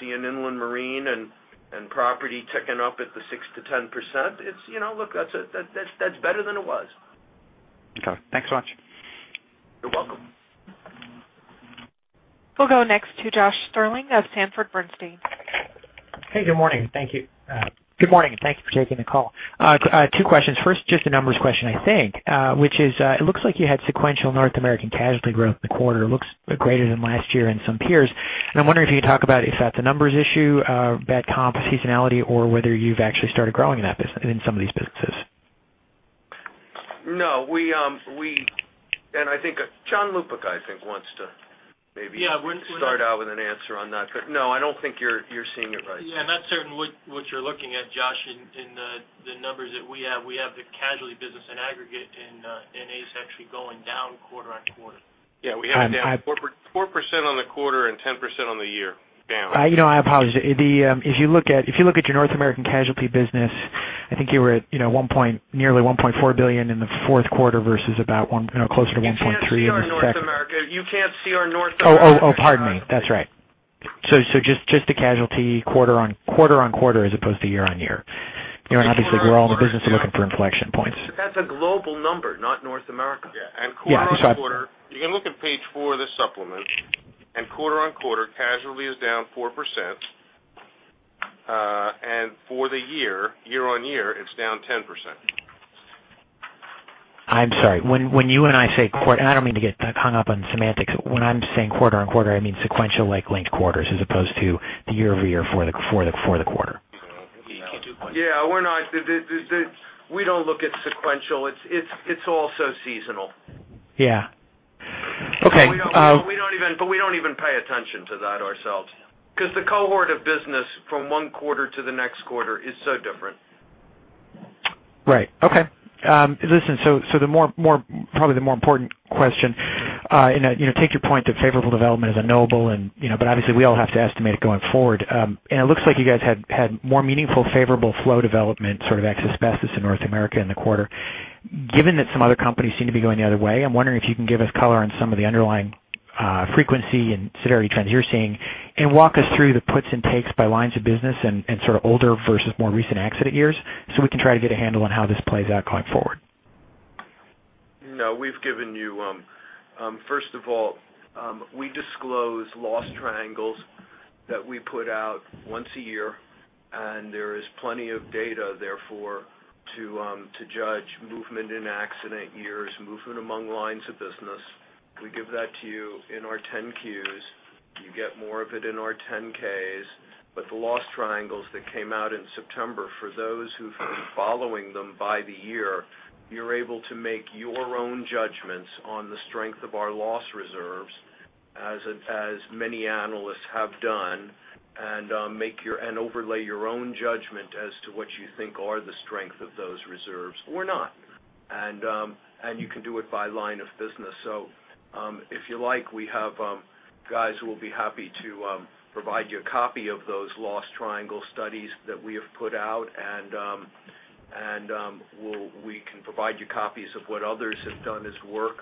seeing inland marine and property ticking up at the 6%-10%, look, that's better than it was. Okay, thanks so much. You're welcome. We'll go next to Josh Sterling of Sanford Bernstein. Hey, good morning. Thank you. Good morning, and thank you for taking the call. Two questions. First, just a numbers question, I think, which is, it looks like you had sequential North American casualty growth in the quarter. It looks greater than last year and some peers. I'm wondering if you could talk about if that's a numbers issue, bad comp seasonality, or whether you've actually started growing in some of these businesses. No. I think John Lupica wants to. Yeah start out with an answer on that. No, I don't think you're seeing it right. Yeah, I'm not certain what you're looking at, Josh, in the numbers that we have. We have the casualty business in aggregate in ACE actually going down quarter on quarter. Yeah. We have down 4% on the quarter and 10% on the year, down. I apologize. If you look at your North American casualty business, I think you were at nearly $1.4 billion in the fourth quarter versus closer to $1.3 in the second. You can't see our North America. Pardon me. That's right. Just the casualty quarter-on-quarter as opposed to year-on-year. Obviously, we're all in the business of looking for inflection points. That's a global number, not North America. Yeah. Quarter-on-quarter, you can look at page four of the supplement, and quarter-on-quarter, casualty is down 4%, and for the year-on-year, it's down 10%. I'm sorry. When you and I say quarter, and I don't mean to get hung up on semantics. When I'm saying quarter-on-quarter, I mean sequential linked quarters as opposed to the year-over-year for the quarter. Yeah, we don't look at sequential. It's also seasonal. Yeah. Okay. We don't even pay attention to that ourselves because the cohort of business from one quarter to the next quarter is so different. Right. Okay. Listen, probably the more important question, take your point that favorable development is unknowable, but obviously, we all have to estimate it going forward. It looks like you guys had more meaningful favorable flow development, sort of E&S as to North America in the quarter. Given that some other companies seem to be going the other way, I'm wondering if you can give us color on some of the underlying frequency and severity trends you're seeing, and walk us through the puts and takes by lines of business and sort of older versus more recent accident years so we can try to get a handle on how this plays out going forward. No, we've given you, first of all, we disclose loss triangles that we put out once a year, and there is plenty of data, therefore, to judge movement in accident years, movement among lines of business. We give that to you in our 10-Qs. You get more of it in our 10-Ks. The loss triangles that came out in September, for those who've been following them by the year, you're able to make your own judgments on the strength of our loss reserves, as many analysts have done, and overlay your own judgment as to what you think are the strength of those reserves or not. You can do it by line of business. If you like, we have guys who will be happy to provide you a copy of those loss triangle studies that we have put out, and we can provide you copies of what others have done as work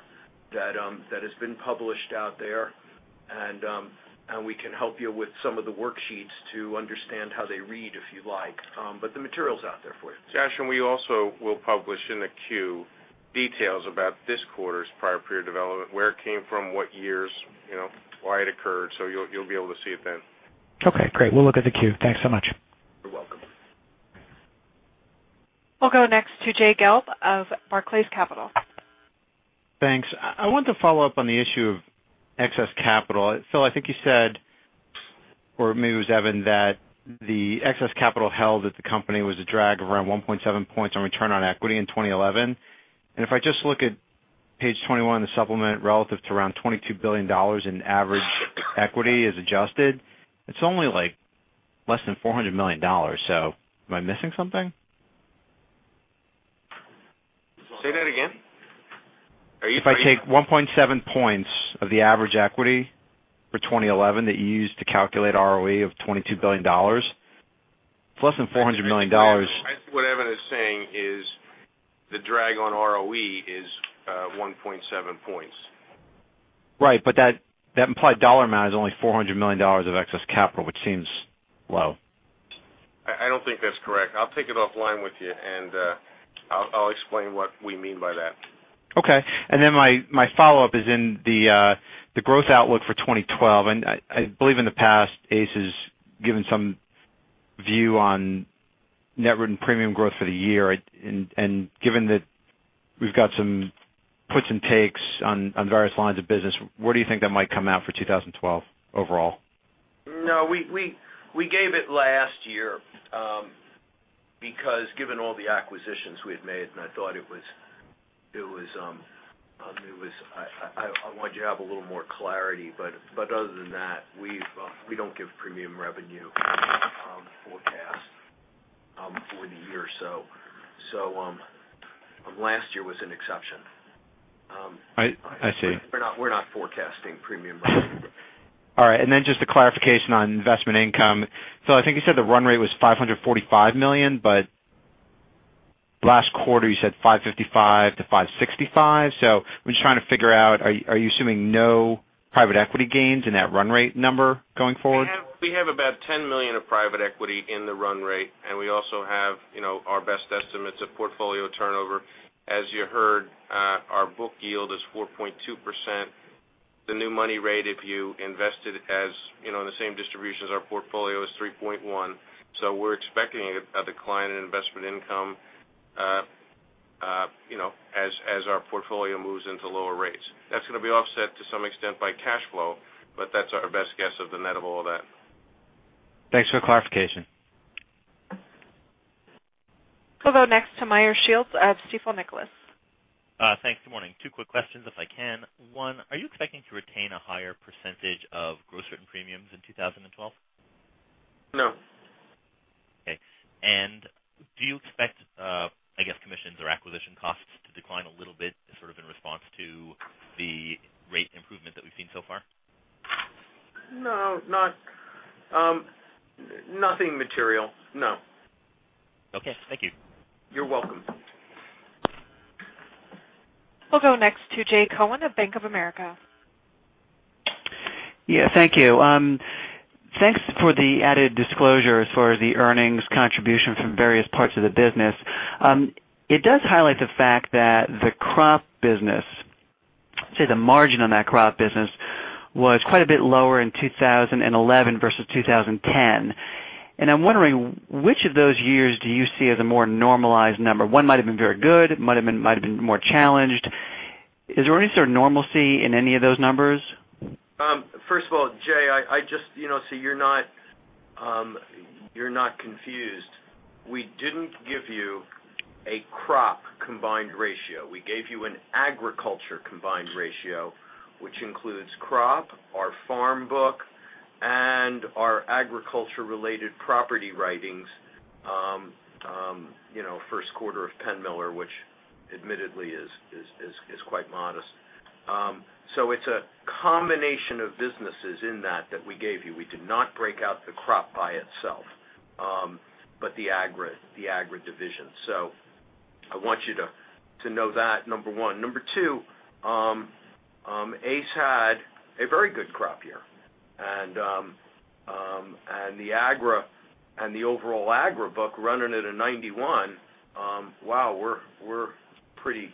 that has been published out there, and we can help you with some of the worksheets to understand how they read, if you like. The material's out there for you. Josh, and we also will publish in the Q details about this quarter's prior period development, where it came from, what years, why it occurred. You'll be able to see it then. Okay, great. We'll look at the Q. Thanks so much. You're welcome. We'll go next to Jay Gelb of Barclays Capital. Thanks. I want to follow up on the issue of excess capital. Phil, I think you said, or maybe it was Evan, that the excess capital held that the company was a drag of around 1.7 points on return on equity in 2011. If I just look at page 21 of the supplement relative to around $22 billion in average equity as adjusted, it's only less than $400 million. Am I missing something? Say that again. If I take 1.7 points of the average equity for 2011 that you used to calculate ROE of $22 billion, it's less than $400 million. What Evan is saying is the drag on ROE is 1.7 points. Right, that implied dollar amount is only $400 million of excess capital, which seems low. I don't think that's correct. I'll take it offline with you, and I'll explain what we mean by that. Okay. Then my follow-up is in the growth outlook for 2012. I believe in the past, ACE has given some view on net written premium growth for the year. Given that we've got some puts and takes on various lines of business, where do you think that might come out for 2012 overall? No, we gave it last year because given all the acquisitions we had made, and I thought I want you to have a little more clarity. Other than that, we don't give premium revenue forecasts. Over the year or so. Last year was an exception. I see. We're not forecasting premium growth. All right. Just a clarification on investment income. I think you said the run rate was $545 million, but last quarter you said $555 million-$565 million. I'm just trying to figure out, are you assuming no private equity gains in that run rate number going forward? We have about $10 million of private equity in the run rate, and we also have our best estimates of portfolio turnover. As you heard, our book yield is 4.2%. The new money rate, if you invested in the same distribution as our portfolio, is 3.1%. We're expecting a decline in investment income as our portfolio moves into lower rates. That's going to be offset to some extent by cash flow, but that's our best guess of the net of all that. Thanks for the clarification. We'll go next to Meyer Shields of Stifel Nicolaus. Thanks. Good morning. Two quick questions, if I can. One, are you expecting to retain a higher % of gross written premiums in 2012? No. Okay. Do you expect, I guess, commissions or acquisition costs to decline a little bit sort of in response to the rate improvement that we've seen so far? No, nothing material. No. Okay. Thank you. You're welcome. We'll go next to Jay Cohen of Bank of America. Yeah. Thank you. Thanks for the added disclosure as far as the earnings contribution from various parts of the business. It does highlight the fact that the crop business, say the margin on that crop business, was quite a bit lower in 2011 versus 2010. I'm wondering, which of those years do you see as a more normalized number? One might have been very good, might've been more challenged. Is there any sort of normalcy in any of those numbers? First of all, Jay, so you're not confused. We didn't give you a crop combined ratio. We gave you an agriculture combined ratio, which includes crop, our farm book, and our agriculture-related property writings. First quarter of Penn Millers, which admittedly is quite modest. It's a combination of businesses in that that we gave you. We did not break out the crop by itself but the agri division. I want you to know that, number 1. Number 2, ACE had a very good crop year. The overall agri book running at a 91, wow, we're pretty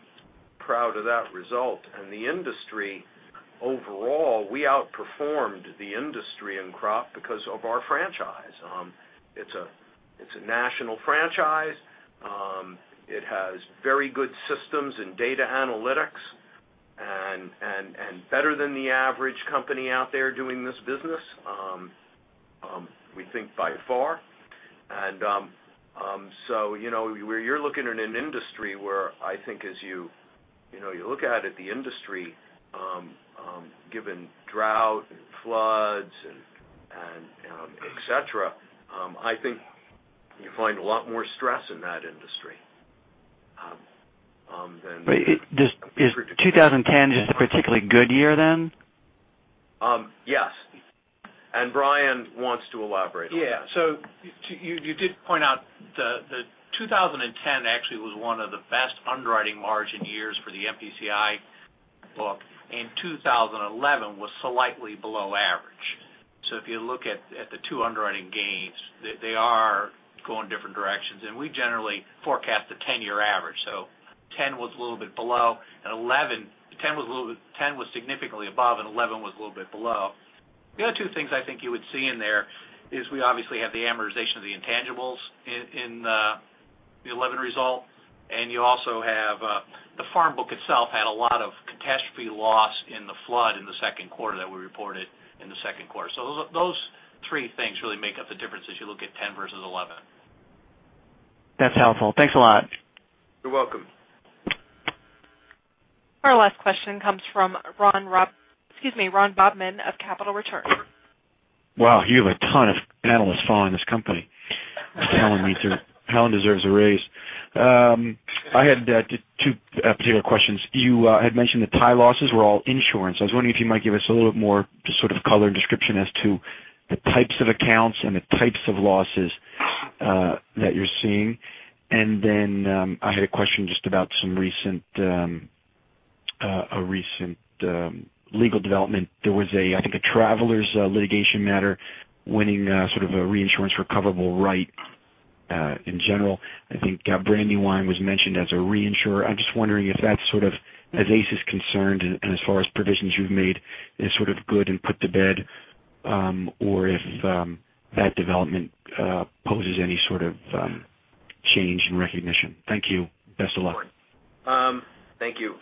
proud of that result. The industry overall, we outperformed the industry in crop because of our franchise. It's a national franchise. It has very good systems and data analytics and better than the average company out there doing this business, we think by far. Where you're looking at an industry where I think as you look at it, the industry given drought and floods and et cetera, I think you find a lot more stress in that industry than. Is 2010 just a particularly good year then? Yes. Brian wants to elaborate on that. Yeah. You did point out that 2010 actually was one of the best underwriting margin years for the MPCI book, and 2011 was slightly below average. If you look at the two underwriting gains, they are going different directions, and we generally forecast a 10-year average. 2010 was significantly above, and 2011 was a little bit below. The other two things I think you would see in there is we obviously have the amortization of the intangibles in the 2011 result, and you also have the farm book itself had a lot of catastrophe loss in the flood in the second quarter that we reported in the second quarter. Those three things really make up the difference as you look at 2010 versus 2011. That's helpful. Thanks a lot. You're welcome. Our last question comes from Ron Bobman of Capital Returns. Wow, you have a ton of analysts following this company. Helen deserves a raise. I had two particular questions. You had mentioned that Thai losses were all insurance. I was wondering if you might give us a little bit more just sort of color and description as to the types of accounts and the types of losses that you're seeing. Then, I had a question just about a recent legal development. There was, I think, a Travelers litigation matter winning sort of a reinsurance recoverable right, in general. I think Brandywine was mentioned as a reinsurer. I'm just wondering if that sort of, as ACE is concerned and as far as provisions you've made, is sort of good and put to bed, or if that development poses any sort of change in recognition. Thank you. Best of luck. Thank you.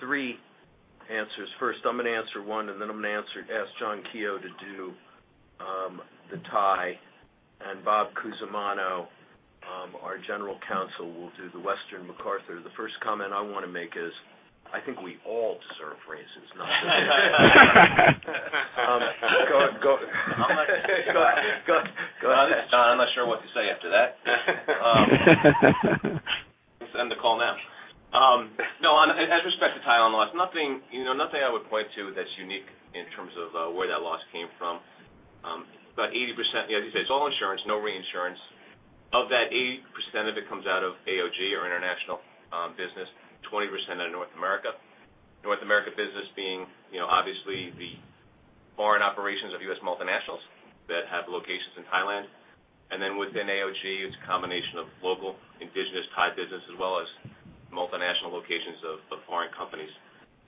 Three answers. First, I'm going to answer one. Then, I'm going to ask John Keogh to do the Thai, and Robert Cusumano, our general counsel, will do the Western Asbestos. The first comment I want to make is, I think we all deserve raises, not just Helen. Go ahead. I'm not sure what to say after that. End the call now. As respect to Thailand loss, nothing I would point to that's unique in terms of where that loss came from. About 80% as you say, it's all insurance, no reinsurance. Of that, 80% of it comes out of AOG or international business, 20% out of North America. North America business being obviously the foreign operations of U.S. multinationals that have locations in Thailand. Within AOG, it's a combination of local indigenous Thai business, as well as multinational locations of foreign companies.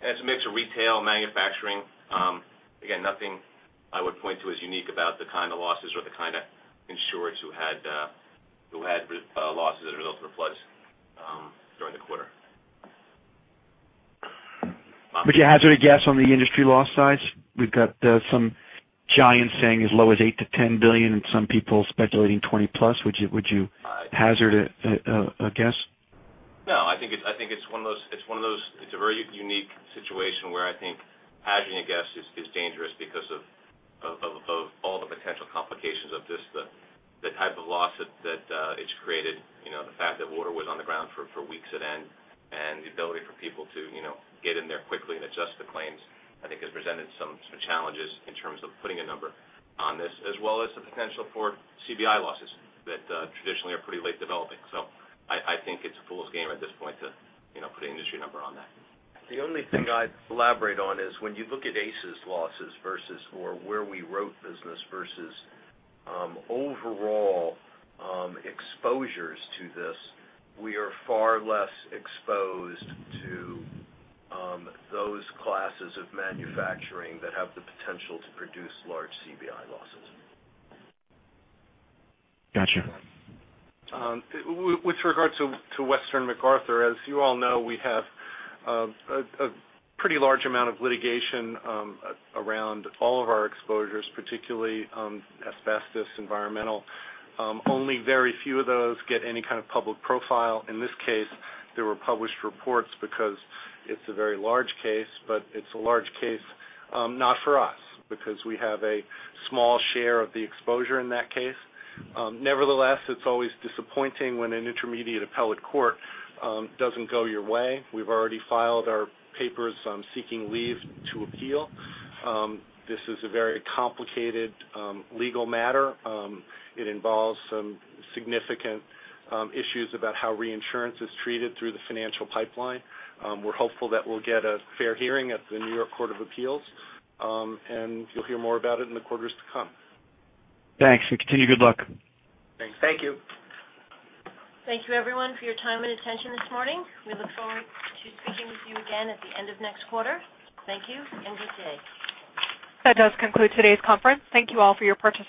It's a mix of retail, manufacturing. Again, nothing I would point to as unique about the kind of losses or the kind of insurers who had losses as a result of the floods during the quarter. Would you hazard a guess on the industry loss size? We've got some giants saying as low as $8 billion-$10 billion and some people speculating $20 billion+. Would you hazard a guess? I think it's a very unique situation where I think hazarding a guess is dangerous because of all the potential complications of just the type of loss that it's created. The fact that water was on the ground for weeks at end, the ability for people to get in there quickly and adjust the claims, I think has presented some challenges in terms of putting a number on this. As well as the potential for CBI losses that traditionally are pretty late developing. I think it's a fool's game at this point to put an industry number on that. The only thing I'd elaborate on is when you look at ACE's losses versus where we wrote business versus overall exposures to this, we are far less exposed to those classes of manufacturing that have the potential to produce large CBI losses. Got you. With regard to Western MacArthur, as you all know, we have a pretty large amount of litigation around all of our exposures, particularly asbestos, environmental. Only very few of those get any kind of public profile. In this case, there were published reports because it's a very large case, but it's a large case not for us, because we have a small share of the exposure in that case. Nevertheless, it's always disappointing when an intermediate appellate court doesn't go your way. We've already filed our papers seeking leave to appeal. This is a very complicated legal matter. It involves some significant issues about how reinsurance is treated through the financial pipeline. We're hopeful that we'll get a fair hearing at the New York Court of Appeals. You'll hear more about it in the quarters to come. Thanks. We wish you good luck. Thanks. Thank you. Thank you everyone for your time and attention this morning. We look forward to speaking with you again at the end of next quarter. Thank you. Have a nice day. That does conclude today's conference. Thank you all for your participation.